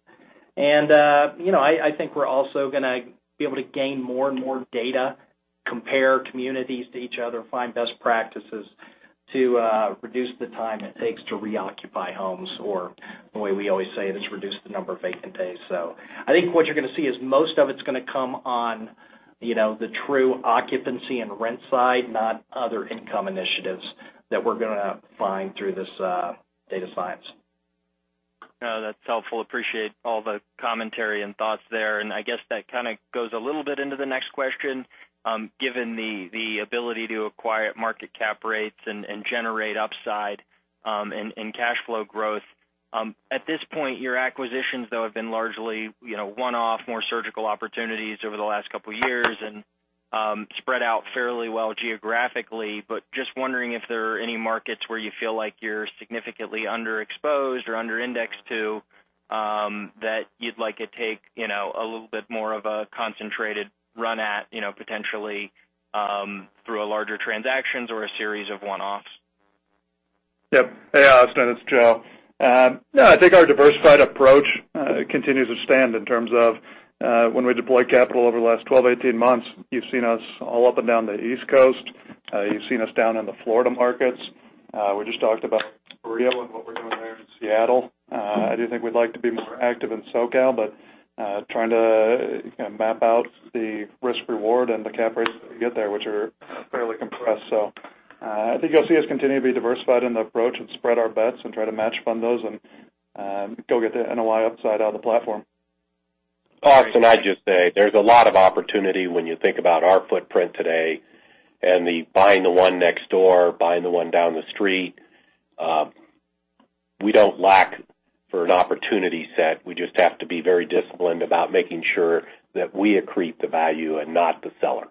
I think we're also going to be able to gain more and more data, compare communities to each other, find best practices to reduce the time it takes to reoccupy homes or the way we always say this, reduce the number of vacant days. I think what you're going to see is most of it's going to come on the true occupancy and rent side, not other income initiatives that we're going to find through this data science. No, that's helpful. Appreciate all the commentary and thoughts there. I guess that kind of goes a little bit into the next question, given the ability to acquire at market cap rates and generate upside and cash flow growth. At this point, your acquisitions, though, have been largely one-off, more surgical opportunities over the last couple of years and spread out fairly well geographically. Just wondering if there are any markets where you feel like you're significantly underexposed or under-indexed to that you'd like to take a little bit more of a concentrated run at potentially through a larger transactions or a series of one-offs. Yep. Hey, Austin, it's Joe. I think our diversified approach continues to stand in terms of when we deployed capital over the last 12, 18 months. You've seen us all up and down the East Coast. You've seen us down in the Florida markets. We just talked about Brio and what we're doing there in Seattle. I do think we'd like to be more active in SoCal, trying to map out the risk-reward and the cap rates that we get there, which are fairly compressed. I think you'll see us continue to be diversified in the approach and spread our bets and try to match fund those and go get the NOI upside out of the platform. Austin, I'd just say there's a lot of opportunity when you think about our footprint today and the buying the one next door, buying the one down the street. We don't lack for an opportunity set. We just have to be very disciplined about making sure that we accrete the value and not the seller.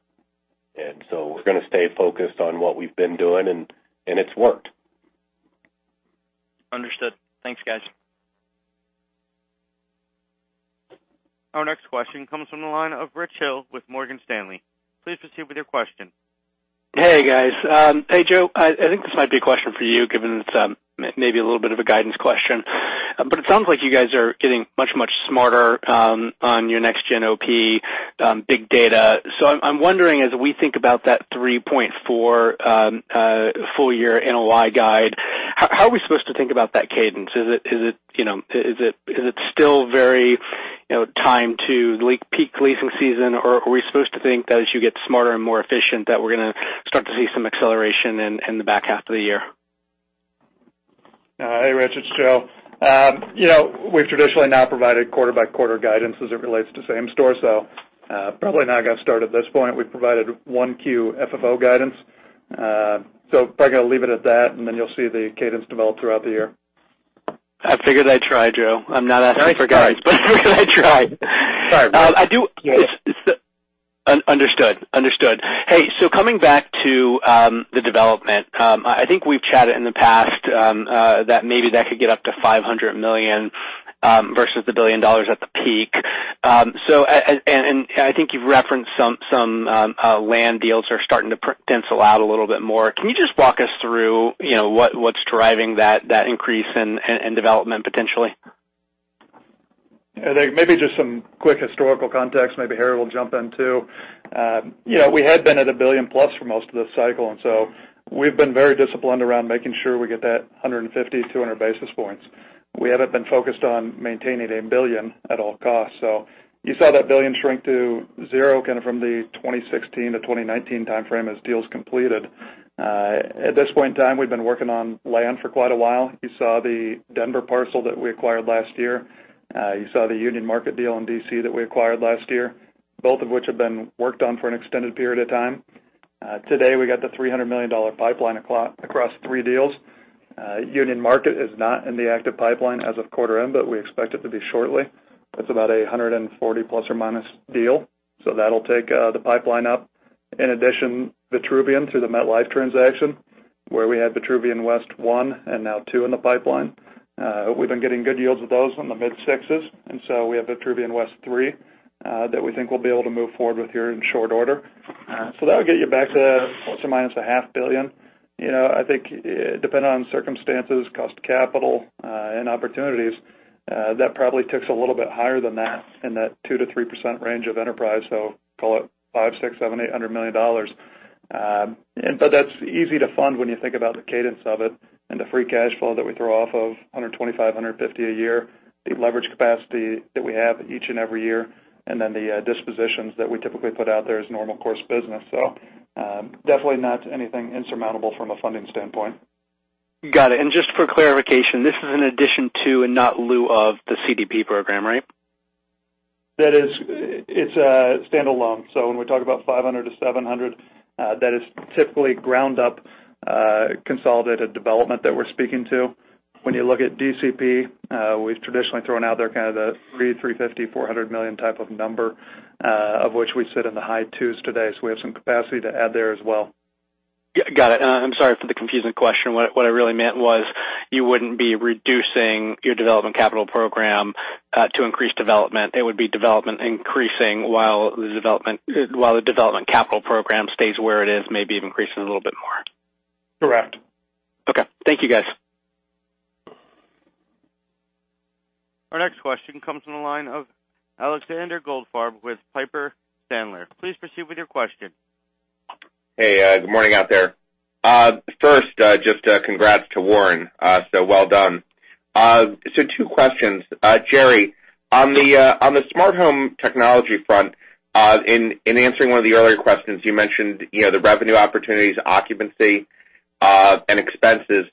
We're going to stay focused on what we've been doing, and it's worked. Understood. Thanks, guys. Our next question comes from the line of Rich Hill with Morgan Stanley. Please proceed with your question. Hey, guys. Hey, Joe. I think this might be a question for you, given it's maybe a little bit of a guidance question. It sounds like you guys are getting much smarter on your Next Gen OP big data. I'm wondering as we think about that 3.4% full year NOI guide, how are we supposed to think about that cadence? Is it still very time to peak leasing season, or are we supposed to think that as you get smarter and more efficient, that we're going to start to see some acceleration in the back half of the year? Hey, Rich, it's Joe. We've traditionally not provided quarter-by-quarter guidance as it relates to same store. Probably not going to start at this point. We've provided 1Q FFO guidance. Probably going to leave it at that, and then you'll see the cadence develop throughout the year. I figured I'd try, Joe. I'm not asking for guidance, but figured I'd try. Sorry. Understood. Coming back to the development. I think we've chatted in the past that maybe that could get up to $500 million, versus the $1 billion at the peak. I think you've referenced some land deals are starting to pencil out a little bit more. Can you just walk us through what's driving that increase in development potentially? I think maybe just some quick historical context, maybe Harry will jump in, too. We had been at a $1 billion+ for most of this cycle. We've been very disciplined around making sure we get that 150, 200 basis points. We haven't been focused on maintaining $1 billion at all costs. You saw that $1 billion shrink to zero, kind of from the 2016 to 2019 timeframe as deals completed. At this point in time, we've been working on land for quite a while. You saw the Denver parcel that we acquired last year. You saw the Union Market deal in D.C. that we acquired last year. Both of which have been worked on for an extended period of time. Today, we got the $300 million pipeline across three deals. Union Market is not in the active pipeline as of quarter end, but we expect it to be shortly. That's about a $140 ± deal. That'll take the pipeline up. In addition, Vitruvian through the MetLife transaction, where we had Vitruvian West 1 and now 2 in the pipeline. We've been getting good yields with those in the mid-sixes, we have Vitruvian West 3 that we think we'll be able to move forward with here in short order. That'll get you back to plus or minus a half billion. I think depending on circumstances, cost of capital, and opportunities, that probably ticks a little bit higher than that in that 2%-3% range of enterprise. Call it $500 million, $600 million, $700 million, $800 million. That's easy to fund when you think about the cadence of it and the free cash flow that we throw off of $125, $150 a year, the leverage capacity that we have each and every year, and then the dispositions that we typically put out there as normal course business. Definitely not anything insurmountable from a funding standpoint. Got it. Just for clarification, this is in addition to, and not in lieu of, the DCP program, right? That is standalone. When we talk about $500 million-$700 million, that is typically ground-up consolidated development that we're speaking to. When you look at DCP, we've traditionally thrown out there kind of the $350 million, $400 million type of number, of which we sit in the high twos today. We have some capacity to add there as well. Got it. I'm sorry for the confusing question. What I really meant was you wouldn't be reducing your development capital program to increase development. It would be development increasing while the development capital program stays where it is, maybe even increasing a little bit more. Correct. Okay. Thank you, guys. Our next question comes from the line of Alexander Goldfarb with Piper Sandler. Please proceed with your question. Hey, good morning out there. First, just congrats to Warren. Well done. Two questions. Jerry, on the smart home technology front, in answering one of the earlier questions, you mentioned the revenue opportunities, occupancy, and expenses.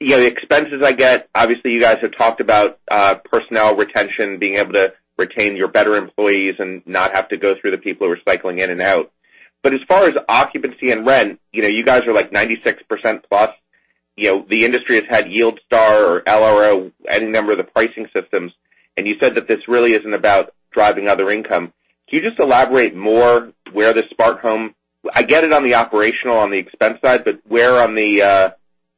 The expenses I get, obviously, you guys have talked about personnel retention, being able to retain your better employees and not have to go through the people who are cycling in and out. As far as occupancy and rent, you guys are like 96%+. The industry has had YieldStar or LRO, any number of the pricing systems, you said that this really isn't about driving other income. Can you just elaborate more where the smart home-- I get it on the operational, on the expense side, but where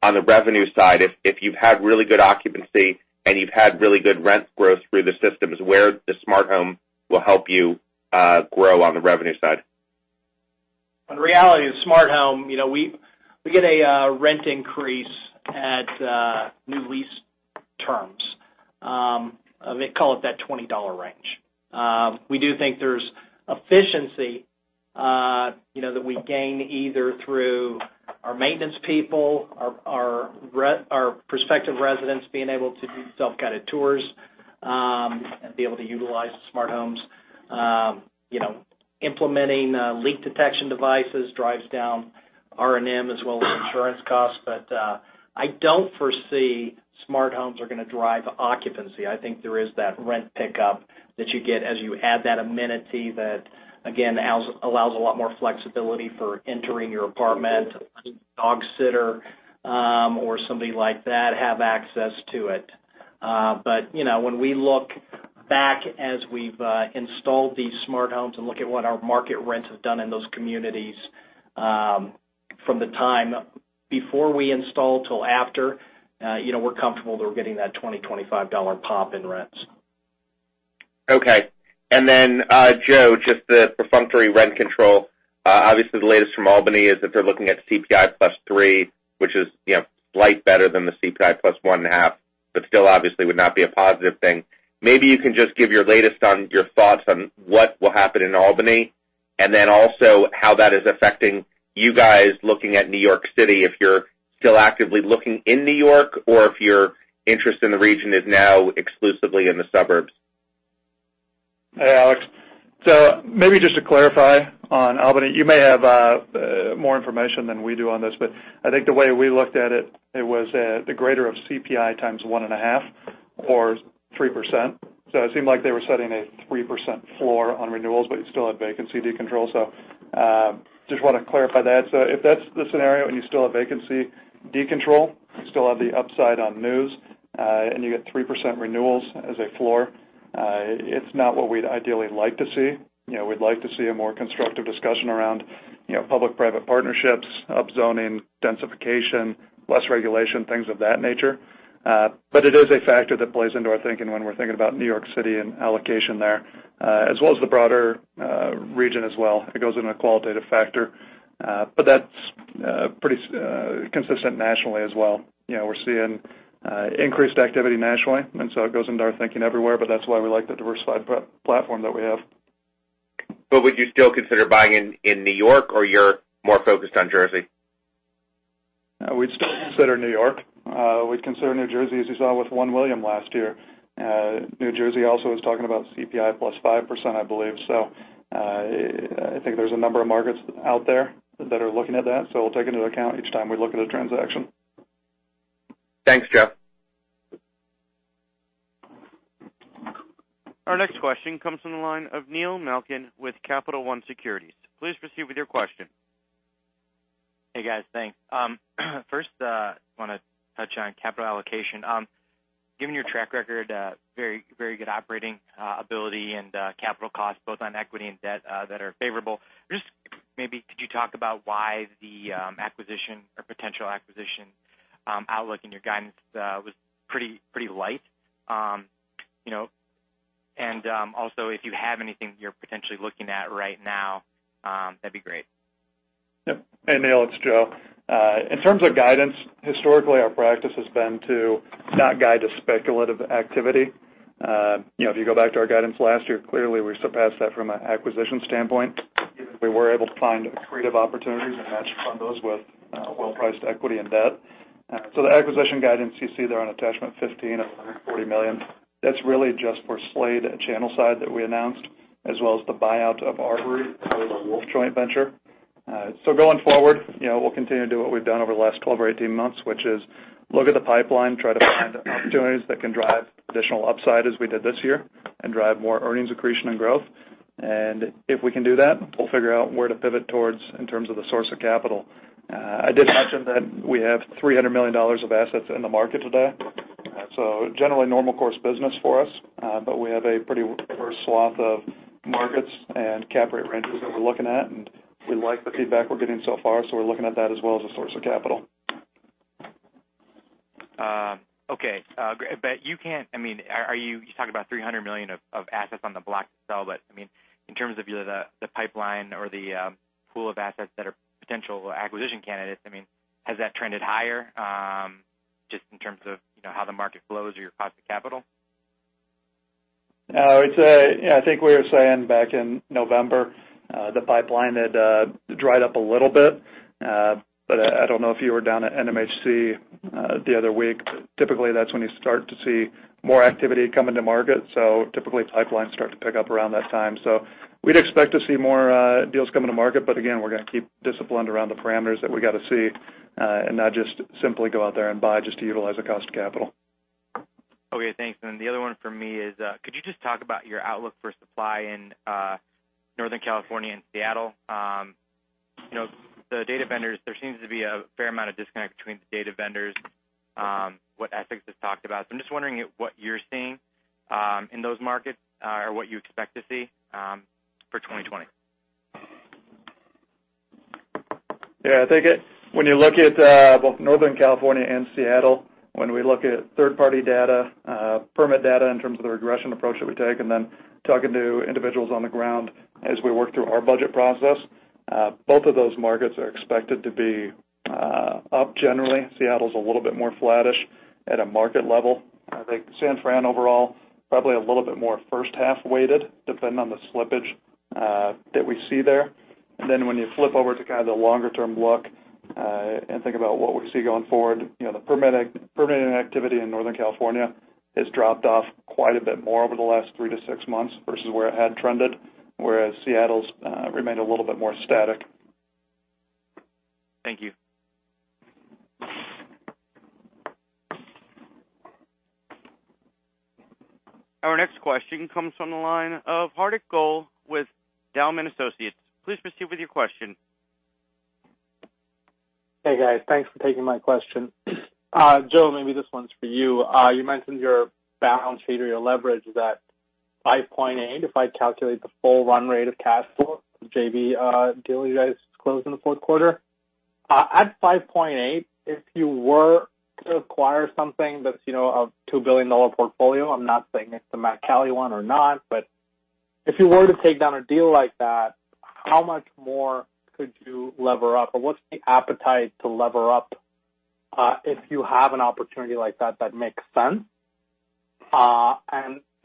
on the revenue side, if you've had really good occupancy and you've had really good rent growth through the systems, where the smart home will help you grow on the revenue side? The reality is smart home, we get a rent increase at new lease terms. They call it that $20 range. We do think there's efficiency that we gain either through our maintenance people, our prospective residents being able to do self-guided tours, and be able to utilize the smart homes. Implementing leak detection devices drives down R&M as well as insurance costs. I don't foresee smart homes are going to drive occupancy. I think there is that rent pickup that you get as you add that amenity that, again, allows a lot more flexibility for entering your apartment, letting the dog sitter or somebody like that have access to it. When we look back as we've installed these smart homes and look at what our market rent has done in those communities from the time before we install till after, we're comfortable that we're getting that $20, $25 pop in rents. Okay. Joe, just the perfunctory rent control. Obviously, the latest from Albany is that they're looking at CPI + 3, which is slight better than the CPI + 1.5. Still obviously would not be a positive thing. Maybe you can just give your latest on your thoughts on what will happen in Albany. Also how that is affecting you guys looking at New York City, if you're still actively looking in New York or if your interest in the region is now exclusively in the suburbs. Hey, Alex. Maybe just to clarify on Albany, you may have more information than we do on this, but I think the way we looked at it was the greater of CPI x 1.5 or 3%. It seemed like they were setting a 3% floor on renewals, but you still had vacancy de-control. Just want to clarify that. If that's the scenario and you still have vacancy de-control, you still have the upside on news, and you get 3% renewals as a floor, it's not what we'd ideally like to see. We'd like to see a more constructive discussion around public-private partnerships, upzoning, densification, less regulation, things of that nature. It is a factor that plays into our thinking when we're thinking about New York City and allocation there, as well as the broader region as well. It goes in a qualitative factor. That's pretty consistent nationally as well. We're seeing increased activity nationally, and so it goes into our thinking everywhere, but that's why we like the diversified platform that we have. Would you still consider buying in New York, or you're more focused on Jersey? We'd still consider New York. We'd consider New Jersey, as you saw with 1 William last year. New Jersey also is talking about CPI + 5%, I believe. I think there's a number of markets out there that are looking at that. We'll take into account each time we look at a transaction. Thanks, Joe. Our next question comes from the line of Neil Malkin with Capital One Securities. Please proceed with your question. Hey, guys. Thanks. First, want to touch on capital allocation. Given your track record, very good operating ability and capital costs both on equity and debt that are favorable. Just maybe could you talk about why the acquisition or potential acquisition outlook in your guidance was pretty light? Also if you have anything you're potentially looking at right now, that'd be great. Yep. Hey, Neil, it's Joe. In terms of guidance, historically, our practice has been to not guide to speculative activity. If you go back to our guidance last year, clearly we surpassed that from an acquisition standpoint, even if we were able to find accretive opportunities and match funders with well-priced equity and debt. The acquisition guidance you see there on attachment 15 of[ $140 million], that's really just for The Slade at Channelside that we announced, as well as the buyout of The Arbory, part of our Wolff joint venture. Going forward, we'll continue to do what we've done over the last 12 or 18 months, which is look at the pipeline, try to find opportunities that can drive additional upside as we did this year, and drive more earnings accretion and growth. If we can do that, we'll figure out where to pivot towards in terms of the source of capital. I did mention that we have $300 million of assets in the market today. Generally normal course business for us, but we have a pretty diverse swath of markets and cap rate ranges that we're looking at, and we like the feedback we're getting so far, so we're looking at that as well as a source of capital. Okay. You can't talk about $300 million of assets on the block to sell. In terms of either the pipeline or the pool of assets that are potential acquisition candidates, has that trended higher, just in terms of how the market flows or your cost of capital? No. I think we were saying back in November, the pipeline had dried up a little bit. I don't know if you were down at NMHC the other week. Typically, that's when you start to see more activity come into market. Typically pipelines start to pick up around that time. We'd expect to see more deals come into market, but again, we're going to keep disciplined around the parameters that we got to see, and not just simply go out there and buy just to utilize the cost of capital. Okay, thanks. The other one from me is, could you just talk about your outlook for supply in Northern California and Seattle? The data vendors, there seems to be a fair amount of disconnect between the data vendors, what Essex has talked about. I'm just wondering what you're seeing in those markets or what you expect to see for 2020. Yeah. I think when you look at both Northern California and Seattle, when we look at third-party data, permit data in terms of the regression approach that we take, and then talking to individuals on the ground as we work through our budget process, both of those markets are expected to be up generally. Seattle's a little bit more flattish at a market level. I think San Fran overall, probably a little bit more first-half weighted, depending on the slippage that we see there. When you flip over to kind of the longer-term look and think about what we see going forward, the permitting activity in Northern California has dropped off quite a bit more over the last three to six months versus where it had trended, whereas Seattle's remained a little bit more static. Thank you. Our next question comes from the line of Hardik Goel with Zelman & Associates. Please proceed with your question. Hey, guys. Thanks for taking my question. Joe, maybe this one's for you. You mentioned your balance sheet or your leverage is at 5.8x, if I calculate the full run rate of cash for the JV deal you guys closed in the fourth quarter. At 5.8x, if you were to acquire something that's a $2 billion portfolio, I'm not saying it's the Mack-Cali one or not, but if you were to take down a deal like that, how much more could you lever up, or what's the appetite to lever up if you have an opportunity like that that makes sense?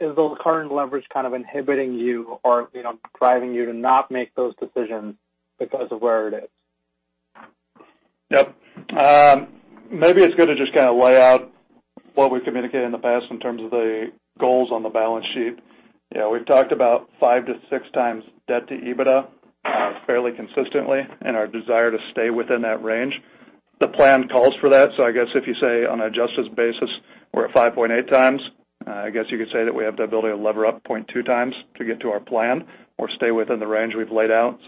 Is the current leverage kind of inhibiting you or driving you to not make those decisions because of where it is? Yep. Maybe it's good to just kind of lay out what we've communicated in the past in terms of the goals on the balance sheet. We've talked about five to six times debt to EBITDA fairly consistently and our desire to stay within that range. The plan calls for that. I guess if you say on an adjusted basis, we're at 5.8x, I guess you could say that we have the ability to lever up 0.2x to get to our plan or stay within the range we've laid out.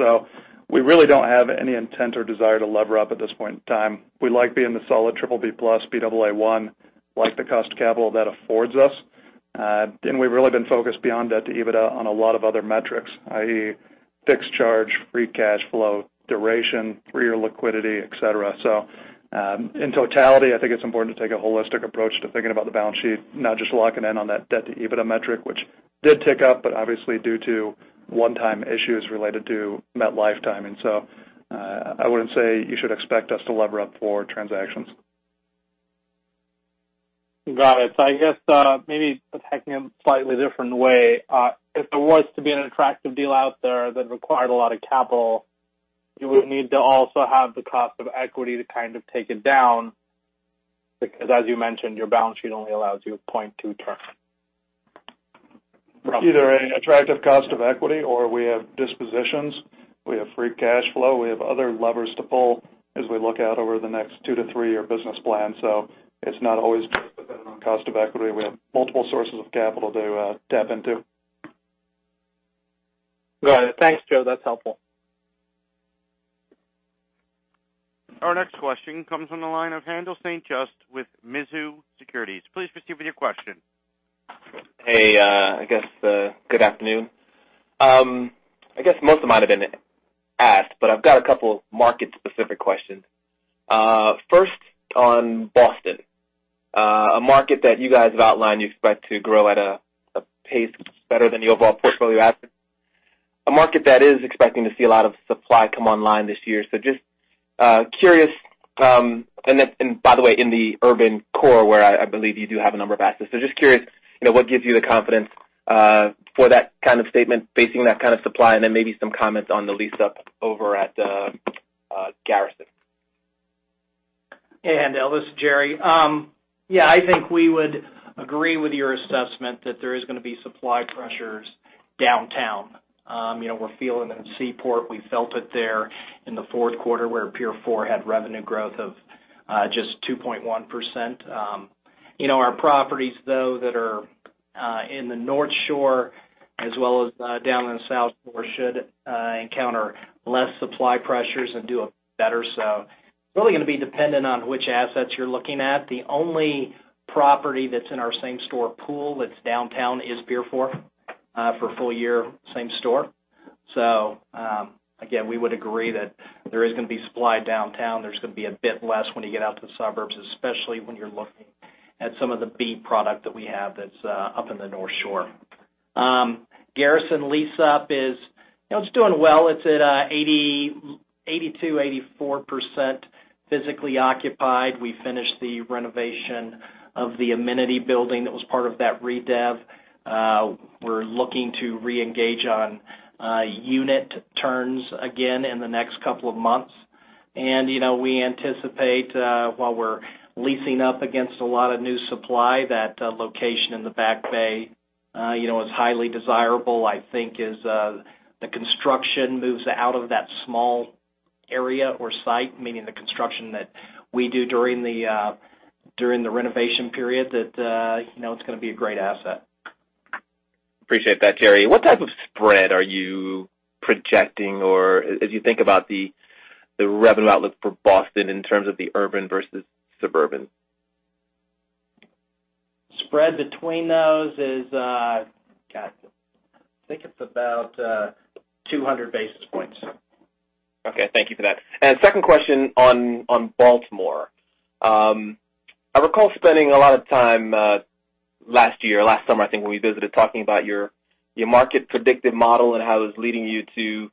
We really don't have any intent or desire to lever up at this point in time. We like being the solid BBB+, Baa1, like the cost of capital that affords us. We've really been focused beyond debt to EBITDA on a lot of other metrics, i.e., fixed charge, free cash flow, duration, three-year liquidity, et cetera. In totality, I think it's important to take a holistic approach to thinking about the balance sheet, not just locking in on that debt to EBITDA metric, which did tick up, but obviously due to one-time issues related to MetLife timing. I wouldn't say you should expect us to lever up for transactions. Got it. I guess maybe attacking it in a slightly different way. If there was to be an attractive deal out there that required a lot of capital, you would need to also have the cost of equity to kind of take it down, because as you mentioned, your balance sheet only allows you 0.2 turns. Either an attractive cost of equity or we have dispositions, we have free cash flow, we have other levers to pull as we look out over the next two to three-year business plan. It's not always dependent on cost of equity. We have multiple sources of capital to tap into. Got it. Thanks, Joe. That's helpful. Our next question comes from the line of Haendel St. Juste with Mizuho Securities. Please proceed with your question. Hey, good afternoon. I guess most of mine have been asked, but I've got a couple market-specific questions. First, on Boston. A market that you guys have outlined you expect to grow at a pace better than the overall portfolio asset. A market that is expecting to see a lot of supply come online this year. Just curious, and by the way, in the urban core where I believe you do have a number of assets, what gives you the confidence for that kind of statement facing that kind of supply? Then maybe some comments on the lease-up over at Garrison. Haendel, this is Jerry. Yeah, I think we would agree with your assessment that there is going to be supply pressures downtown. We're feeling it in Seaport. We felt it there in the fourth quarter, where Pier 4 had revenue growth of just 2.1%. Our properties, though, that are in the North Shore as well as down in the South Shore should encounter less supply pressures and do better. Really going to be dependent on which assets you're looking at. The only property that's in our same-store pool that's downtown is Pier 4 for full-year same store. Again, we would agree that there is going to be supply downtown. There's going to be a bit less when you get out to the suburbs, especially when you're looking at some of the B product that we have that's up in the North Shore. Garrison lease-up is doing well. It's at 82%, 84% physically occupied. We finished the renovation of the amenity building that was part of that redev. We're looking to reengage on unit turns again in the next couple of months. We anticipate while we're leasing up against a lot of new supply, that location in the Back Bay is highly desirable. I think as the construction moves out of that small area or site, meaning the construction that we do during the renovation period, that it's going to be a great asset. Appreciate that, Jerry. What type of spread are you projecting, or as you think about the revenue outlook for Boston in terms of the urban versus suburban? Spread between those is, I think it's about 200 basis points. Okay. Thank you for that. Second question on Baltimore. I recall spending a lot of time last year, last summer, I think, when we visited, talking about your market predictive model and how it was leading you to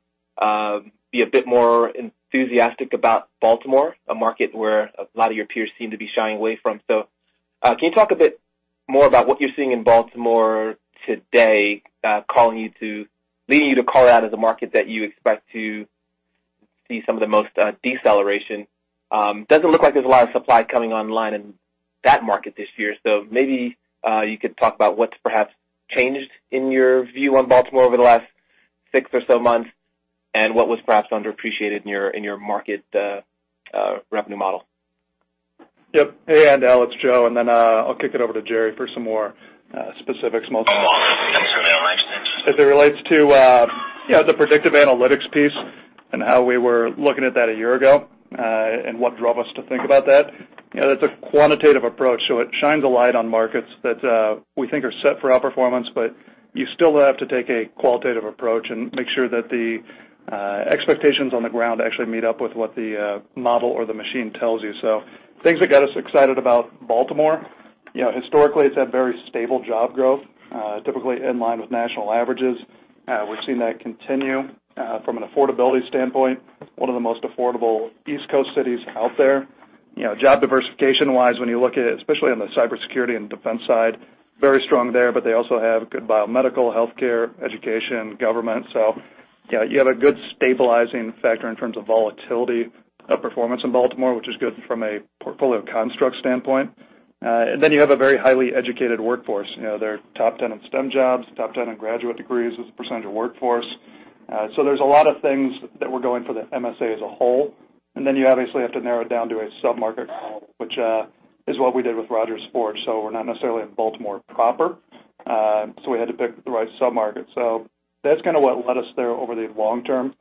be a bit more enthusiastic about Baltimore, a market where a lot of your peers seem to be shying away from. Can you talk a bit more about what you're seeing in Baltimore today, leading you to call out as a market that you expect to see some of the most deceleration? Doesn't look like there's a lot of supply coming online in that market this year. Maybe you could talk about what's perhaps changed in your view on Baltimore over the last six or so months and what was perhaps underappreciated in your market revenue model. Yep. Hey, Haendel, it's Joe, and then I'll kick it over to Jerry for some more specifics. Thanks, Joe. As it relates to the predictive analytics piece and how we were looking at that a year ago and what drove us to think about that's a quantitative approach, it shines a light on markets that we think are set for outperformance, but you still have to take a qualitative approach and make sure that the expectations on the ground actually meet up with what the model or the machine tells you. Things that got us excited about Baltimore, historically, it's had very stable job growth. Typically in line with national averages. We're seeing that continue from an affordability standpoint, one of the most affordable East Coast cities out there. Job diversification-wise, when you look at it, especially on the cybersecurity and defense side, very strong there, but they also have good biomedical, healthcare, education, government. You have a good stabilizing factor in terms of volatility of performance in Baltimore, which is good from a portfolio construct standpoint. You have a very highly educated workforce. They're top 10 in STEM jobs, top 10 in graduate degrees as a percentage of workforce. There's a lot of things that we're going for the MSA as a whole, and then you obviously have to narrow it down to a sub-market level, which is what we did with Rodgers Forge. We're not necessarily in Baltimore proper. We had to pick the right sub-market. That's kind of what led us there over the long term.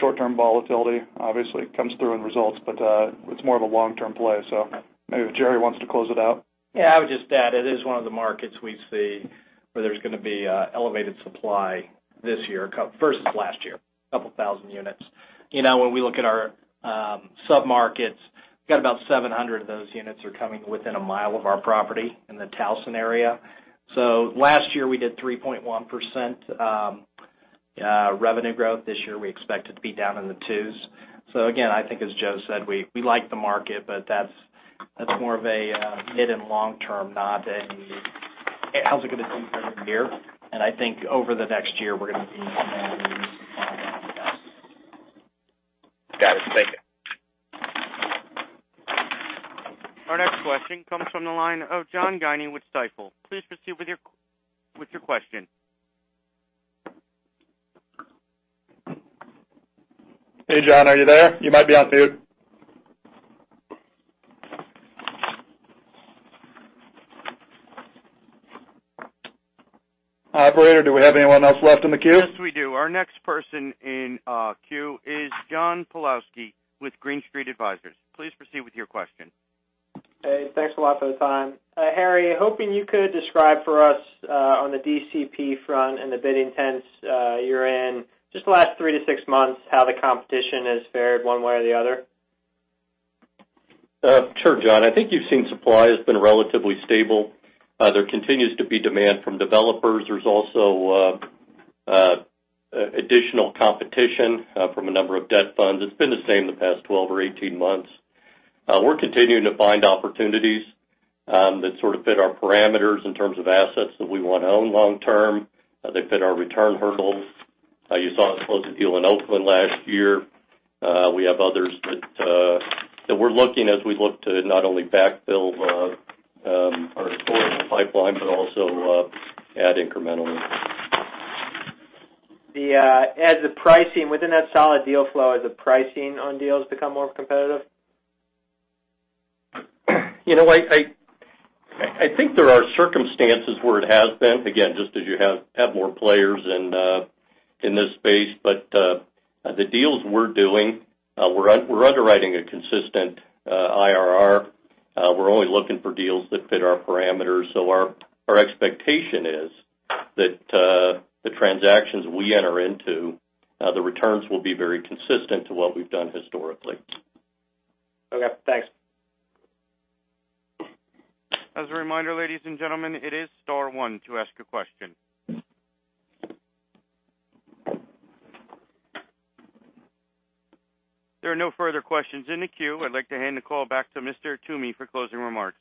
Short-term volatility obviously comes through in results, but it's more of a long-term play. Maybe if Jerry wants to close it out. I would just add, it is one of the markets we see where there's going to be elevated supply this year versus last year, a couple thousand units. When we look at our sub-markets, we've got about 700 of those units are coming within a mile of our property in the Towson area. Last year, we did 3.1% revenue growth. This year, we expect it to be down in the twos. Again, I think as Joe said, we like the market, but that's more of a mid and long-term nod and how's it going to do for the year. I think over the next year, we're going to see some solid gains. Got it. Thank you. Our next question comes from the line of John Guinee with Stifel. Please proceed with your question. Hey, John, are you there? You might be on mute. Operator, do we have anyone else left in the queue? Yes, we do. Our next person in queue is John Pawlowski with Green Street Advisors. Please proceed with your question. Hey, thanks a lot for the time. Harry, hoping you could describe for us on the DCP front and the bidding ends you're in, just the last three to six months, how the competition has fared one way or the other? Sure, John. I think you've seen supply has been relatively stable. There continues to be demand from developers. There's also additional competition from a number of debt funds. It's been the same the past 12 or 18 months. We're continuing to find opportunities that sort of fit our parameters in terms of assets that we want to own long term. They fit our return hurdles. You saw us close a deal in Oakland last year. We have others that we're looking as we look to not only backfill our historical pipeline but also add incrementally. Has the pricing within that solid deal flow, has the pricing on deals become more competitive? I think there are circumstances where it has been. Just as you have more players in this space. The deals we're doing, we're underwriting a consistent IRR. We're only looking for deals that fit our parameters. Our expectation is that the transactions we enter into, the returns will be very consistent to what we've done historically. Okay, thanks. As a reminder, ladies and gentlemen, it is star one to ask a question. There are no further questions in the queue. I'd like to hand the call back to Mr. Toomey for closing remarks.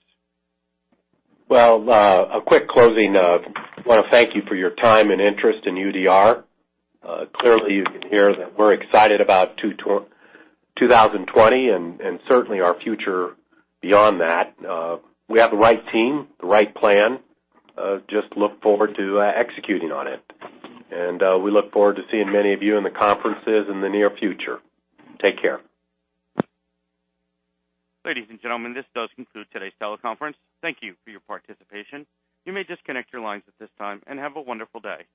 Well, a quick closing. I want to thank you for your time and interest in UDR. Clearly, you can hear that we're excited about 2020 and certainly our future beyond that. We have the right team, the right plan. Just look forward to executing on it. We look forward to seeing many of you in the conferences in the near future. Take care. Ladies and gentlemen, this does conclude today's teleconference. Thank you for your participation. You may disconnect your lines at this time, and have a wonderful day.